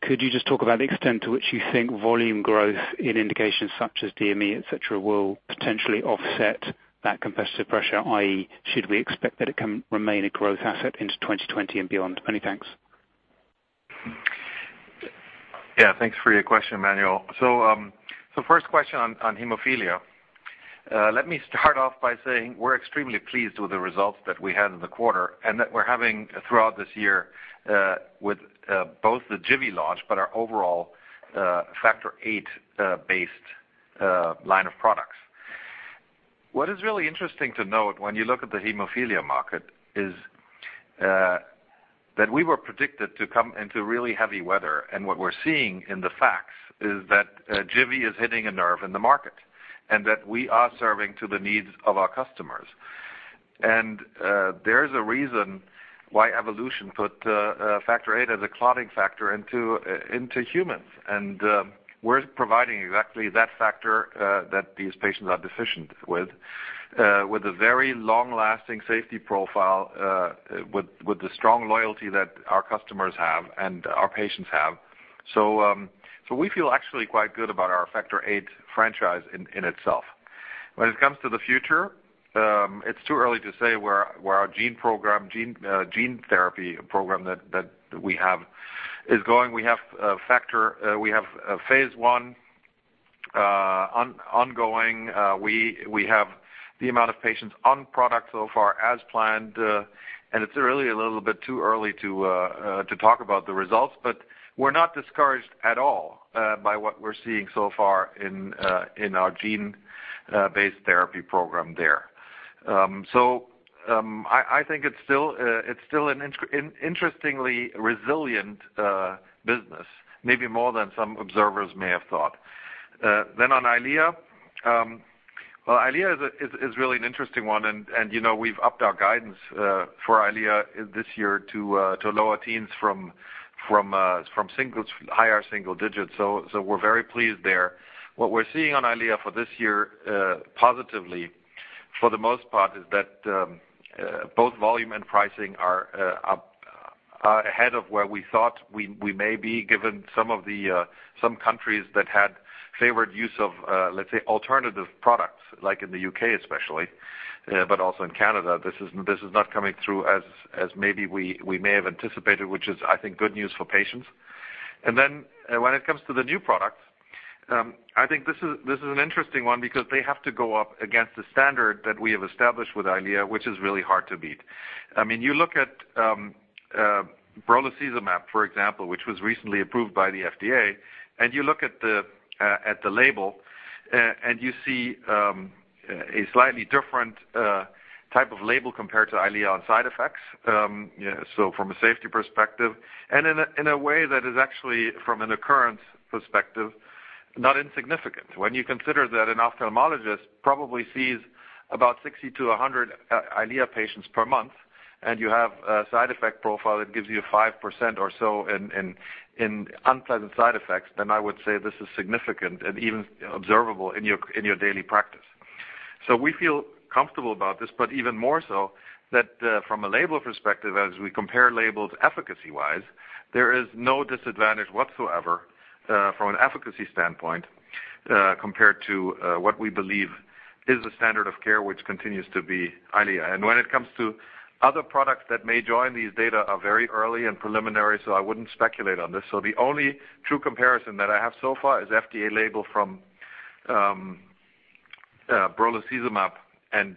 Could you just talk about the extent to which you think volume growth in indications such as DME, et cetera, will potentially offset that competitive pressure? I.e., should we expect that it can remain a growth asset into 2020 and beyond? Many thanks. Thanks for your question, Emmanuel. First question on hemophilia. Let me start off by saying we're extremely pleased with the results that we had in the quarter and that we're having throughout this year, with both the Jivi launch but our overall, Factor VIII, based line of products. What is really interesting to note when you look at the hemophilia market is that we were predicted to come into really heavy weather. What we're seeing in the facts is that Jivi is hitting a nerve in the market, and that we are serving to the needs of our customers. There is a reason why evolution put Factor VIII as a clotting factor into humans. We're providing exactly that factor that these patients are deficient with a very long-lasting safety profile, with the strong loyalty that our customers have and our patients have. We feel actually quite good about our Factor VIII franchise in itself. When it comes to the future, it's too early to say where our gene therapy program that we have is going. We have phase I ongoing. We have the amount of patients on product so far as planned. It's really a little bit too early to talk about the results. We're not discouraged at all by what we're seeing so far in our gene-based therapy program there. I think it's still an interestingly resilient business, maybe more than some observers may have thought. On EYLEA. Well, EYLEA is really an interesting one, and we've upped our guidance for EYLEA this year to lower teens from higher single digits. We're very pleased there. What we're seeing on EYLEA for this year, positively, for the most part, is that both volume and pricing are ahead of where we thought we may be given some countries that had favored use of, let's say, alternative products, like in the U.K. especially but also in Canada. This is not coming through as maybe we may have anticipated, which is, I think, good news for patients. When it comes to the new products, I think this is an interesting one because they have to go up against the standard that we have established with EYLEA, which is really hard to beat. You look at brolucizumab, for example, which was recently approved by the FDA, and you look at the label, and you see a slightly different type of label compared to EYLEA on side effects. From a safety perspective, and in a way that is actually from an occurrence perspective, not insignificant. When you consider that an ophthalmologist probably sees about 60-100 EYLEA patients per month You have a side effect profile that gives you 5% or so in unpleasant side effects, then I would say this is significant and even observable in your daily practice. We feel comfortable about this, but even more so that from a label perspective, as we compare labels efficacy-wise, there is no disadvantage whatsoever from an efficacy standpoint compared to what we believe is the standard of care, which continues to be EYLEA. When it comes to other products that may join, these data are very early and preliminary, so I wouldn't speculate on this. The only true comparison that I have so far is FDA label from brolucizumab, and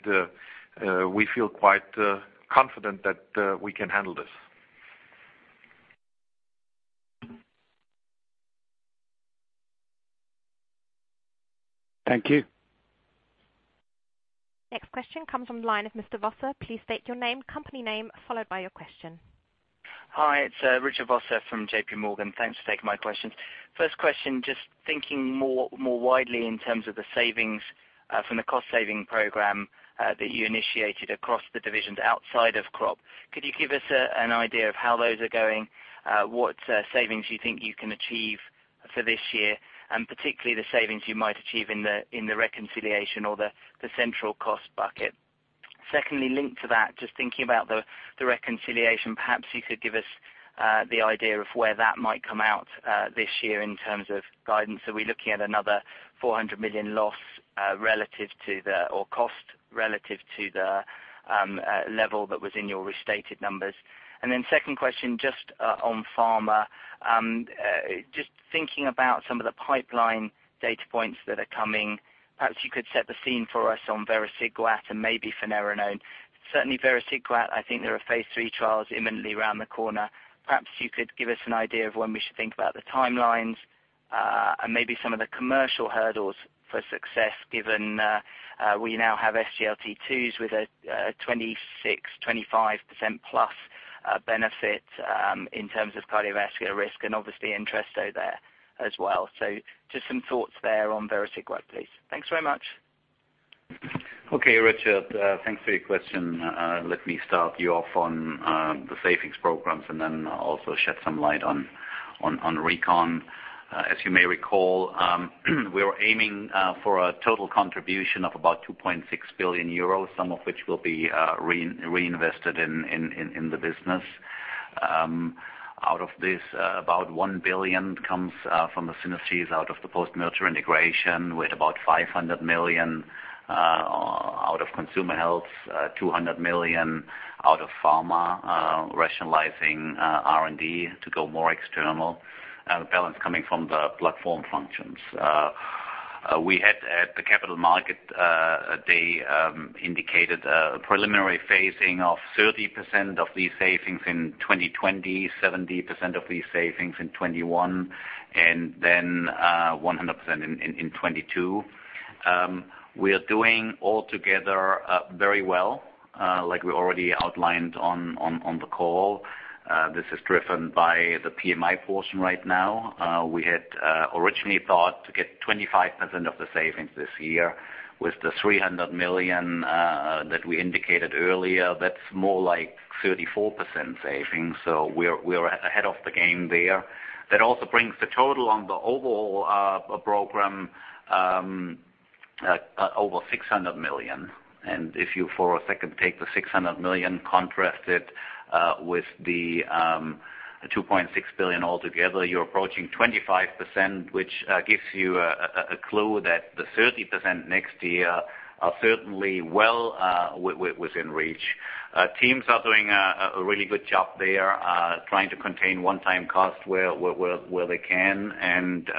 we feel quite confident that we can handle this. Thank you. Next question comes from the line of Mr. Vosser. Please state your name, company name, followed by your question. Hi, it's Richard Vosser from JPMorgan. Thanks for taking my questions. First question, just thinking more widely in terms of the savings from the cost saving program that you initiated across the divisions outside of crop. Could you give us an idea of how those are going? What savings you think you can achieve for this year, and particularly the savings you might achieve in the reconciliation or the central cost bucket? Secondly, linked to that, just thinking about the reconciliation, perhaps you could give us the idea of where that might come out this year in terms of guidance. Are we looking at another 400 million loss or cost relative to the level that was in your restated numbers? Second question, just on pharma, just thinking about some of the pipeline data points that are coming. Perhaps you could set the scene for us on vericiguat and maybe finerenone. Certainly vericiguat, I think there are phase III trials imminently around the corner. Perhaps you could give us an idea of when we should think about the timelines, and maybe some of the commercial hurdles for success, given we now have SGLT2s with a 26, 25% plus benefit in terms of cardiovascular risk and obviously interest there as well. Just some thoughts there on vericiguat, please. Thanks very much. Okay, Richard. Thanks for your question. Let me start you off on the savings programs and then also shed some light on recon. As you may recall, we are aiming for a total contribution of about 2.6 billion euros, some of which will be reinvested in the business. Out of this, about 1 billion comes from the synergies out of the post-merger integration, with about 500 million out of Consumer Health, 200 million out of Pharmaceuticals, rationalizing R&D to go more external. The balance coming from the platform functions. We had at the capital market day indicated a preliminary phasing of 30% of these savings in 2020, 70% of these savings in 2021, and then 100% in 2022. We are doing all together very well, like we already outlined on the call. This is driven by the PMI portion right now. We had originally thought to get 25% of the savings this year. With the 300 million that we indicated earlier, that's more like 34% savings. We are ahead of the game there. That also brings the total on the overall program over 600 million. If you, for a second, take the 600 million, contrast it with the 2.6 billion altogether, you're approaching 25%, which gives you a clue that the 30% next year are certainly well within reach. Teams are doing a really good job there, trying to contain one-time costs where they can and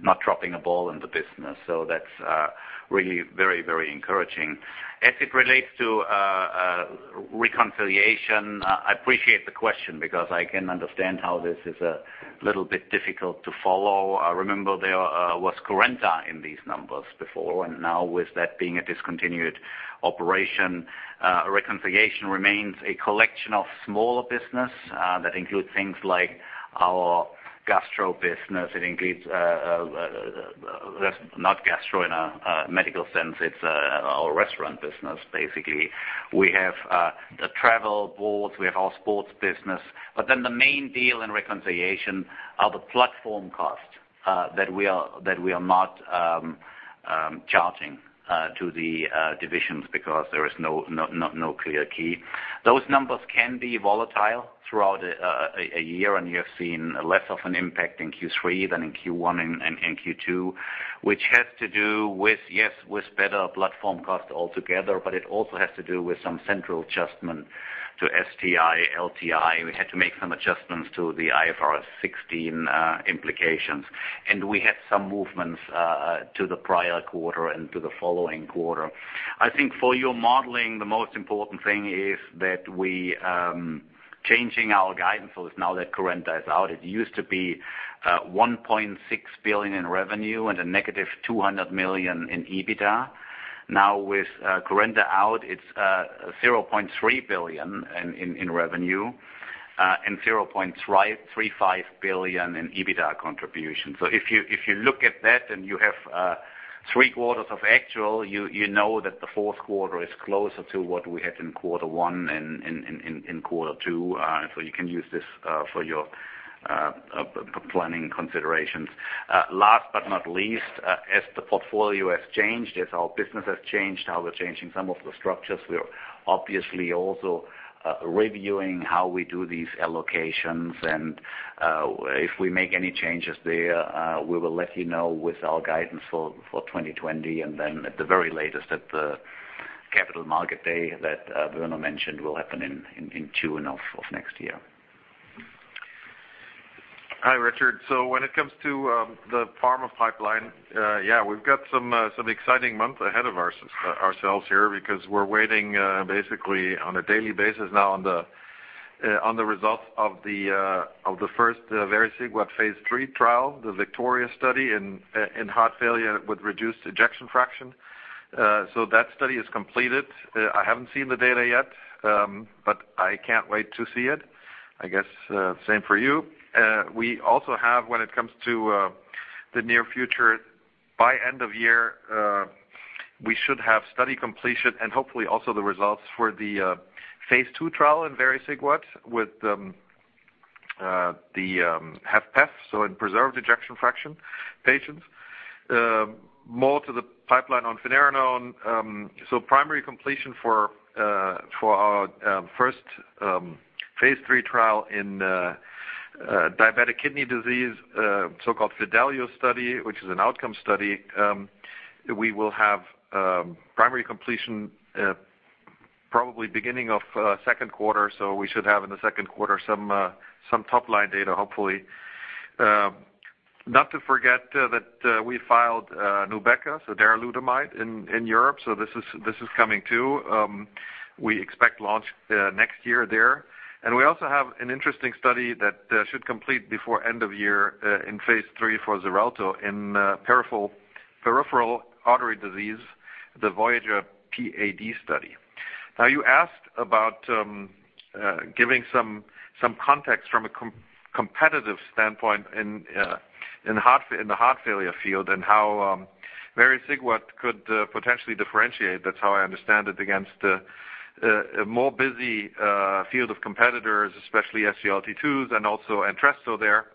not dropping the ball in the business. That's really very encouraging. As it relates to reconciliation, I appreciate the question because I can understand how this is a little bit difficult to follow. Remember, there was Currenta in these numbers before, and now with that being a discontinued operation, reconciliation remains a collection of smaller business that include things like our gastro business. Not gastro in a medical sense, it's our restaurant business, basically. We have the travel boards, we have our sports business. The main deal in reconciliation are the platform costs that we are not charging to the divisions because there is no clear key. Those numbers can be volatile throughout a year, and you have seen less of an impact in Q3 than in Q1 and Q2, which has to do with, yes, with better platform costs altogether, but it also has to do with some central adjustment to STI, LTI. We had to make some adjustments to the IFRS 16 implications. We had some movements to the prior quarter and to the following quarter. I think for your modeling, the most important thing is that we are changing our guidance. Now that Currenta is out, it used to be 1.6 billion in revenue and a negative 200 million in EBITDA. Now with Currenta out, it's 0.3 billion in revenue. 0.35 billion in EBITDA contribution. If you look at that and you have three quarters of actual, you know that the fourth quarter is closer to what we had in quarter 1 and in quarter 2. Last but not least, as the portfolio has changed, as our business has changed, how we're changing some of the structures, we are obviously also reviewing how we do these allocations and if we make any changes there, we will let you know with our guidance for 2020. At the very latest, at the capital market day that Werner mentioned will happen in June of next year. Hi, Richard. When it comes to the pharma pipeline, we've got some exciting months ahead of ourselves here because we're waiting, basically on a daily basis now on the results of the first vericiguat phase III trial, the VICTORIA study in heart failure with reduced ejection fraction. That study is completed. I haven't seen the data yet, but I can't wait to see it. I guess same for you. We also have, when it comes to the near future, by end of year, we should have study completion and hopefully also the results for the phase II trial in vericiguat with the HFpEF, so in preserved ejection fraction patients. More to the pipeline on finerenone. Primary completion for our first phase III trial in diabetic kidney disease, so-called FIDELIO-DKD study, which is an outcome study. We will have primary completion probably beginning of second quarter. We should have in the second quarter some top line data, hopefully. Not to forget that we filed NUBEQA, so darolutamide in Europe. This is coming too. We expect launch next year there. We also have an interesting study that should complete before end of year in phase III for XARELTO in peripheral artery disease, the VOYAGER PAD study. You asked about giving some context from a competitive standpoint in the heart failure field and how vericiguat could potentially differentiate, that's how I understand it, against a more busy field of competitors, especially SGLT2s and also ENTRESTO there.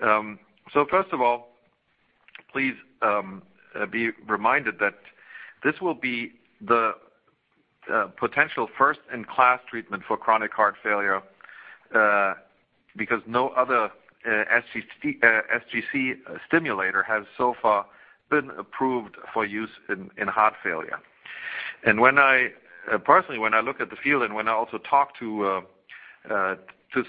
First of all, please be reminded that this will be the potential first-in-class treatment for chronic heart failure, because no other sGC stimulator has so far been approved for use in heart failure. Personally, when I look at the field and when I also talk to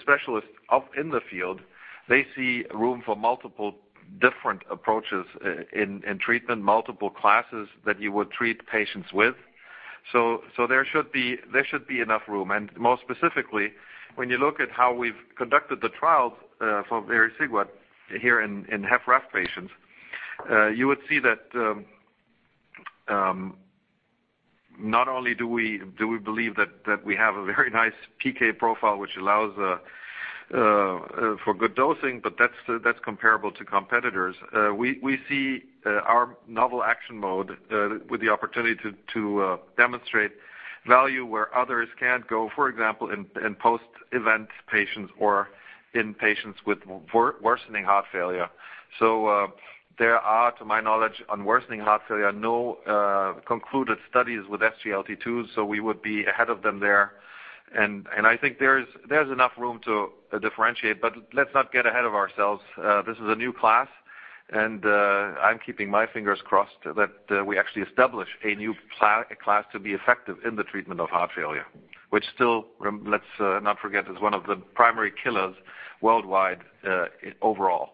specialists in the field, they see room for multiple different approaches in treatment, multiple classes that you would treat patients with. There should be enough room. More specifically, when you look at how we've conducted the trials for vericiguat here in HFrEF patients, you would see that not only do we believe that we have a very nice PK profile which allows for good dosing, but that's comparable to competitors. We see our novel action mode with the opportunity to demonstrate value where others can't go, for example, in post-event patients or in patients with worsening heart failure. There are, to my knowledge, on worsening heart failure, no concluded studies with SGLT2, so we would be ahead of them there. I think there's enough room to differentiate. Let's not get ahead of ourselves. This is a new class and I'm keeping my fingers crossed that we actually establish a new class to be effective in the treatment of heart failure, which still, let's not forget, is one of the primary killers worldwide overall.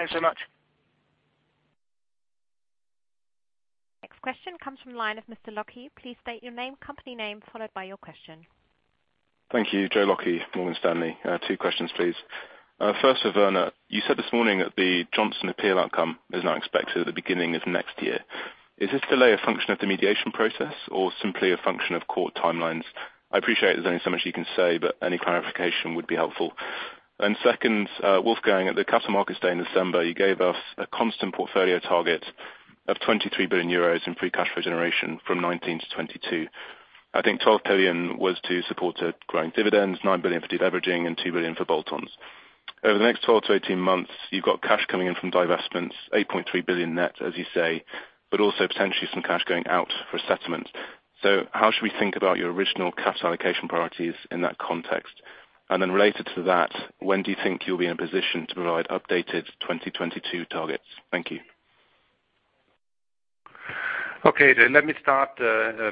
Thanks so much. Next question comes from the line of Mr. Locke. Please state your name, company name, followed by your question. Thank you. Joe Locke, Morgan Stanley. Two questions, please. First for Werner. You said this morning that the Johnson appeal outcome is now expected at the beginning of next year. Is this delay a function of the mediation process or simply a function of court timelines? I appreciate there's only so much you can say, but any clarification would be helpful. Second, Wolfgang, at the Capital Markets Day in December, you gave us a constant portfolio target of 23 billion euros in free cash flow generation from 2019 to 2022. I think 12 billion was to support growing dividends, 9 billion for de-leveraging, and 2 billion for bolt-ons. Over the next 12 to 18 months, you've got cash coming in from divestments, 8.3 billion net, as you say, but also potentially some cash going out for settlement. How should we think about your original capital allocation priorities in that context? Related to that, when do you think you'll be in a position to provide updated 2022 targets? Thank you. Okay. Let me start,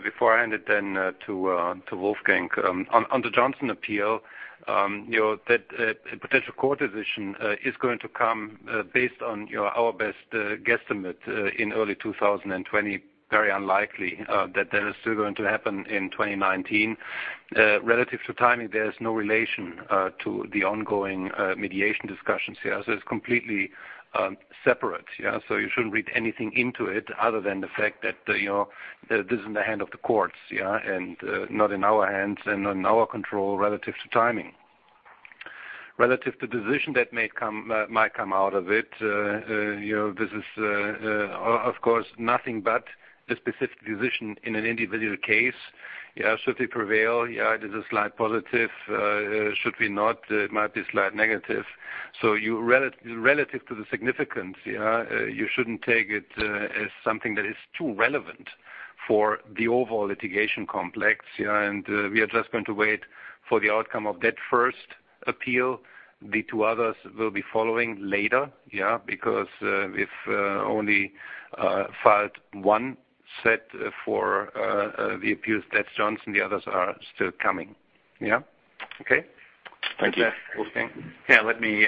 before I hand it then to Wolfgang. On the Johnson appeal, that potential court decision is going to come based on our best guesstimate in early 2020. Very unlikely that is still going to happen in 2019. Relative to timing, there is no relation to the ongoing mediation discussions here. It's completely separate. You shouldn't read anything into it other than the fact that this is in the hand of the courts, and not in our hands and in our control relative to timing. Relative to decision that might come out of it. This is, of course, nothing but the specific decision in an individual case. Should it prevail, there's a slight positive. Should we not, it might be a slight negative. Relative to the significance, you shouldn't take it as something that is too relevant for the overall litigation complex. We are just going to wait for the outcome of that first appeal. The two others will be following later. We've only filed one set for the appeals, that's Johnson. The others are still coming. Yeah. Okay. Thank you. Wolfgang. Yeah, let me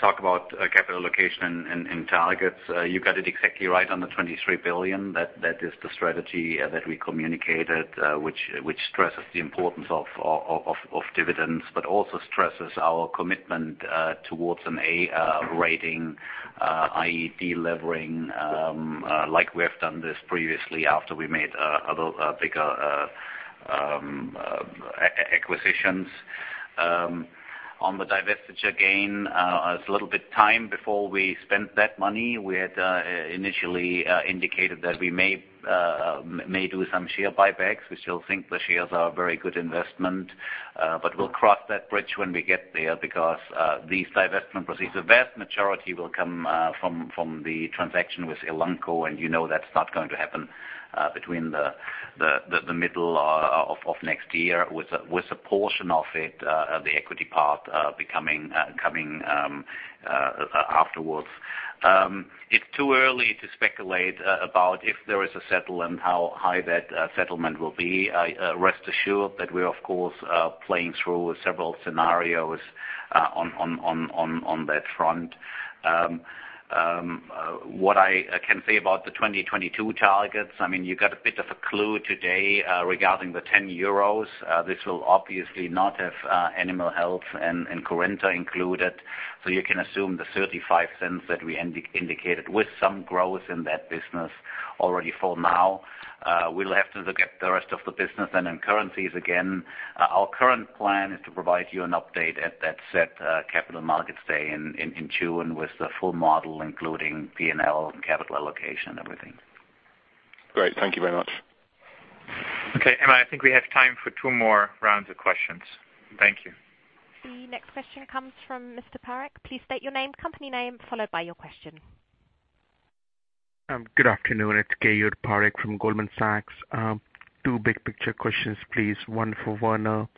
talk about capital allocation and targets. You got it exactly right on the 23 billion. That is the strategy that we communicated, which stresses the importance of dividends, also stresses our commitment towards an A rating, i.e., de-levering, like we have done this previously after we made other bigger acquisitions. On the divestiture gain, it's a little bit time before we spend that money. We had initially indicated that we may do some share buybacks. We still think the shares are a very good investment. We'll cross that bridge when we get there, because these divestment proceeds, the vast majority will come from the transaction with Elanco, you know that's not going to happen between the middle of next year with a portion of it, the equity part, coming afterwards. It is too early to speculate about if there is a settlement, how high that settlement will be. Rest assured that we are, of course, playing through several scenarios on that front. What I can say about the 2022 targets, I mean, you got a bit of a clue today regarding the 10 euros. This will obviously not have Animal Health and Currenta included. You can assume the 0.35 that we indicated with some growth in that business already for now. We will have to look at the rest of the business. In currencies, again, our current plan is to provide you an update at that set Capital Markets Day in June with the full model, including P&L and capital allocation and everything. Great. Thank you very much. Okay. Emma, I think we have time for two more rounds of questions. Thank you. The next question comes from Mr. Parekh. Please state your name, company name, followed by your question. Good afternoon. It's Keyur Parekh from Goldman Sachs. Two big picture questions, please. One for Werner.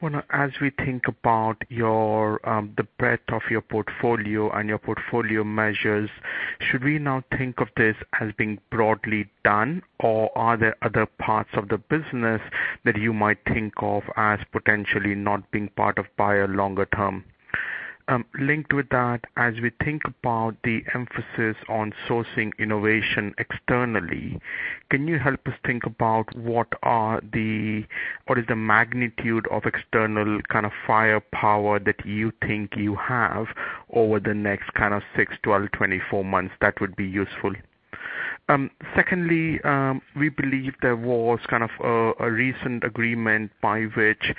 Werner, as we think about the breadth of your portfolio and your portfolio measures, should we now think of this as being broadly done, or are there other parts of the business that you might think of as potentially not being part of Bayer longer term? Linked with that, as we think about the emphasis on sourcing innovation externally, can you help us think about what is the magnitude of external kind of firepower that you think you have over the next six, 12, 24 months? That would be useful. Secondly, we believe there was kind of a recent agreement by which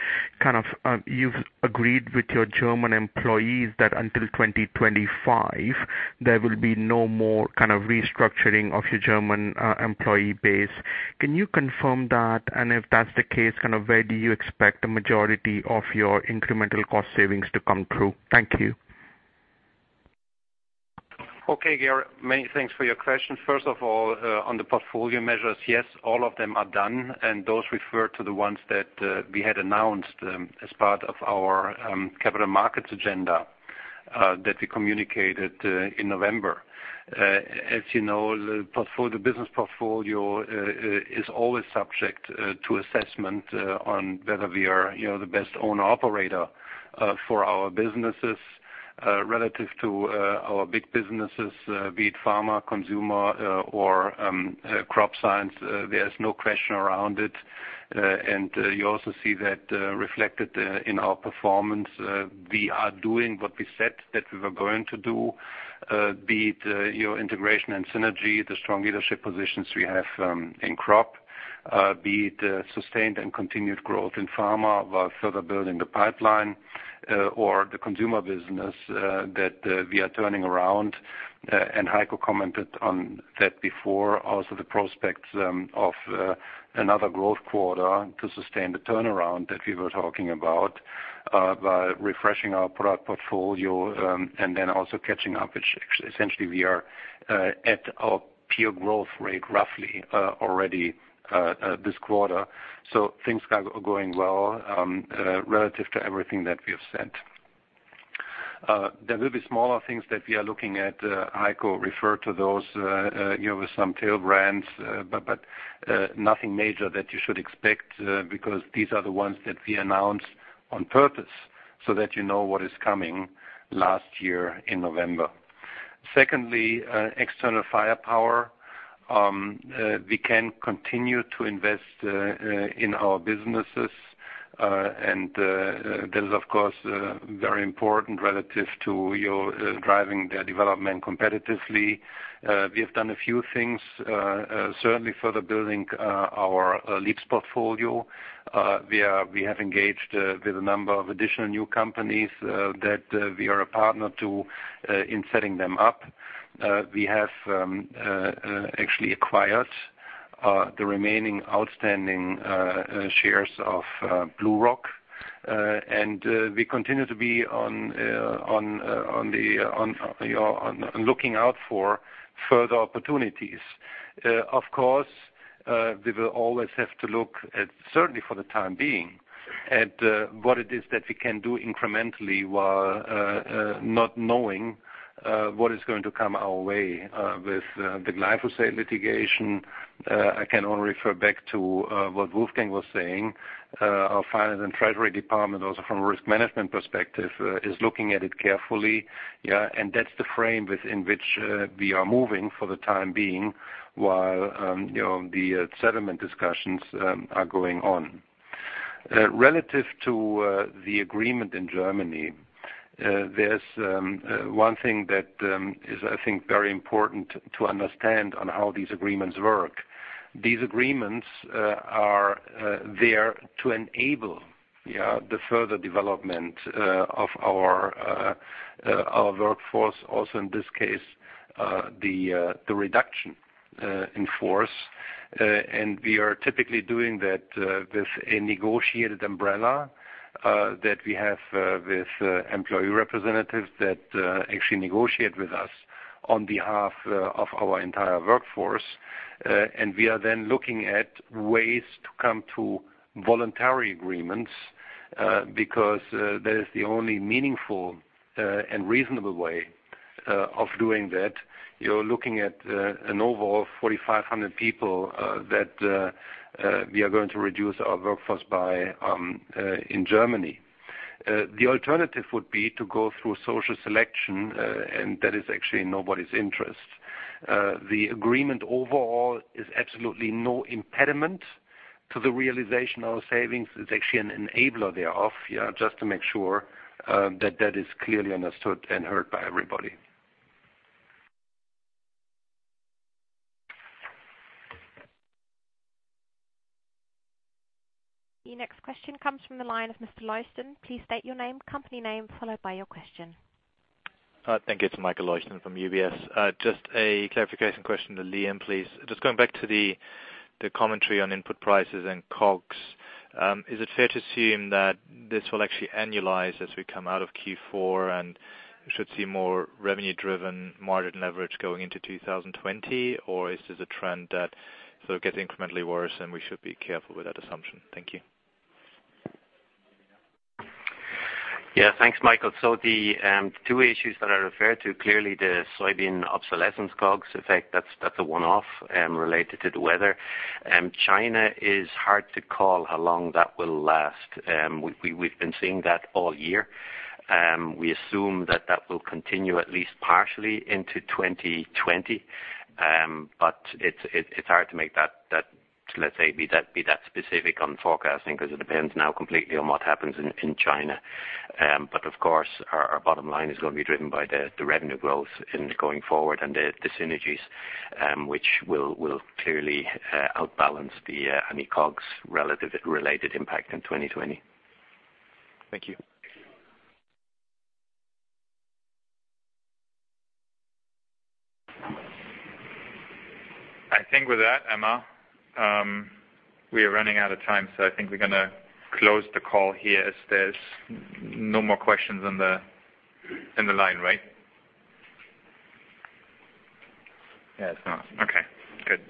you've agreed with your German employees that until 2025, there will be no more restructuring of your German employee base. Can you confirm that? If that's the case, where do you expect the majority of your incremental cost savings to come through? Thank you. Okay, Keyur. Many thanks for your question. First of all, on the portfolio measures, yes, all of them are done, and those refer to the ones that we had announced as part of our capital markets agenda that we communicated in November. As you know, the business portfolio is always subject to assessment on whether we are the best owner/operator for our businesses. Relative to our big businesses, be it Pharma, Consumer, or Crop Science, there is no question around it. You also see that reflected in our performance. We are doing what we said that we were going to do. Be it integration and synergy, the strong leadership positions we have in Crop Science. Be it sustained and continued growth in Pharma while further building the pipeline or the Consumer business that we are turning around. Heiko commented on that before, also the prospects of another growth quarter to sustain the turnaround that we were talking about by refreshing our product portfolio and then also catching up, which essentially we are at our peer growth rate roughly already this quarter. Things are going well relative to everything that we have said. There will be smaller things that we are looking at. Heiko referred to those with some tail brands, but nothing major that you should expect, because these are the ones that we announced on purpose so that you know what is coming last year in November. Secondly, external firepower. We can continue to invest in our businesses. That is, of course, very important relative to driving their development competitively. We have done a few things, certainly further building our Leaps portfolio. We have engaged with a number of additional new companies that we are a partner to in setting them up. We have actually acquired the remaining outstanding shares of BlueRock. We continue to be on looking out for further opportunities. Of course, we will always have to look at, certainly for the time being, at what it is that we can do incrementally while not knowing what is going to come our way with the glyphosate litigation. I can only refer back to what Wolfgang was saying. Our finance and treasury department, also from a risk management perspective, is looking at it carefully. Yeah. That's the frame within which we are moving for the time being, while the settlement discussions are going on. Relative to the agreement in Germany, there's one thing that is, I think, very important to understand on how these agreements work. These agreements are there to enable the further development of our workforce, also in this case, the reduction in force. We are typically doing that with a negotiated umbrella that we have with employee representatives that actually negotiate with us on behalf of our entire workforce. We are then looking at ways to come to voluntary agreements because that is the only meaningful and reasonable way of doing that. You're looking at an overall of 4,500 people that we are going to reduce our workforce by in Germany. The alternative would be to go through social selection, and that is actually in nobody's interest. The agreement overall is absolutely no impediment to the realization of our savings. It's actually an enabler thereof, just to make sure that that is clearly understood and heard by everybody. Your next question comes from the line of Mr. Leuchten. Please state your name, company name, followed by your question. Thank you. It's Michael Leuchten from UBS. Just a clarification question to Liam, please. Just going back to the commentary on input prices and COGS. Is it fair to assume that this will actually annualize as we come out of Q4 and we should see more revenue-driven margin leverage going into 2020? Or is this a trend that will get incrementally worse, and we should be careful with that assumption? Thank you. Yeah, thanks, Michael. The two issues that I referred to, clearly the soybean obsolescence COGS effect, that's a one-off related to the weather. China is hard to call how long that will last. We've been seeing that all year. We assume that will continue at least partially into 2020. It's hard to make that, let's say, be that specific on forecasting because it depends now completely on what happens in China. Of course, our bottom line is going to be driven by the revenue growth in going forward and the synergies, which will clearly outbalance any COGS relative related impact in 2020. Thank you. I think with that, Emma, we are running out of time. I think we're going to close the call here as there's no more questions in the line, right? Yes. Okay, good.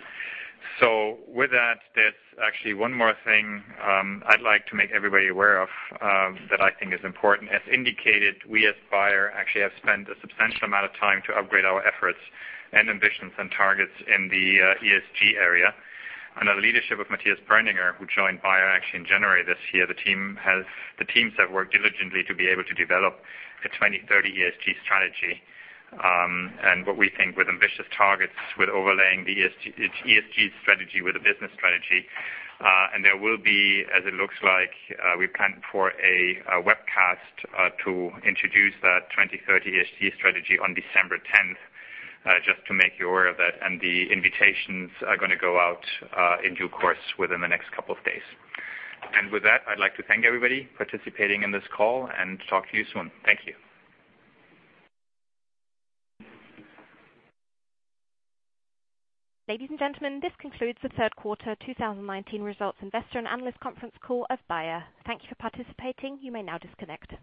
With that, there's actually one more thing I'd like to make everybody aware of that I think is important. As indicated, we as Bayer actually have spent a substantial amount of time to upgrade our efforts and ambitions and targets in the ESG area. Under the leadership of Matthias Berninger, who joined Bayer actually in January this year, the teams have worked diligently to be able to develop a 2030 ESG strategy. What we think with ambitious targets, with overlaying the ESG strategy with a business strategy. There will be, as it looks like, we plan for a webcast to introduce that 2030 ESG strategy on December 10th, just to make you aware of that, and the invitations are going to go out in due course within the next couple of days. With that, I'd like to thank everybody participating in this call and talk to you soon. Thank you. Ladies and gentlemen, this concludes the third quarter 2019 results investor and analyst conference call of Bayer. Thank you for participating. You may now disconnect.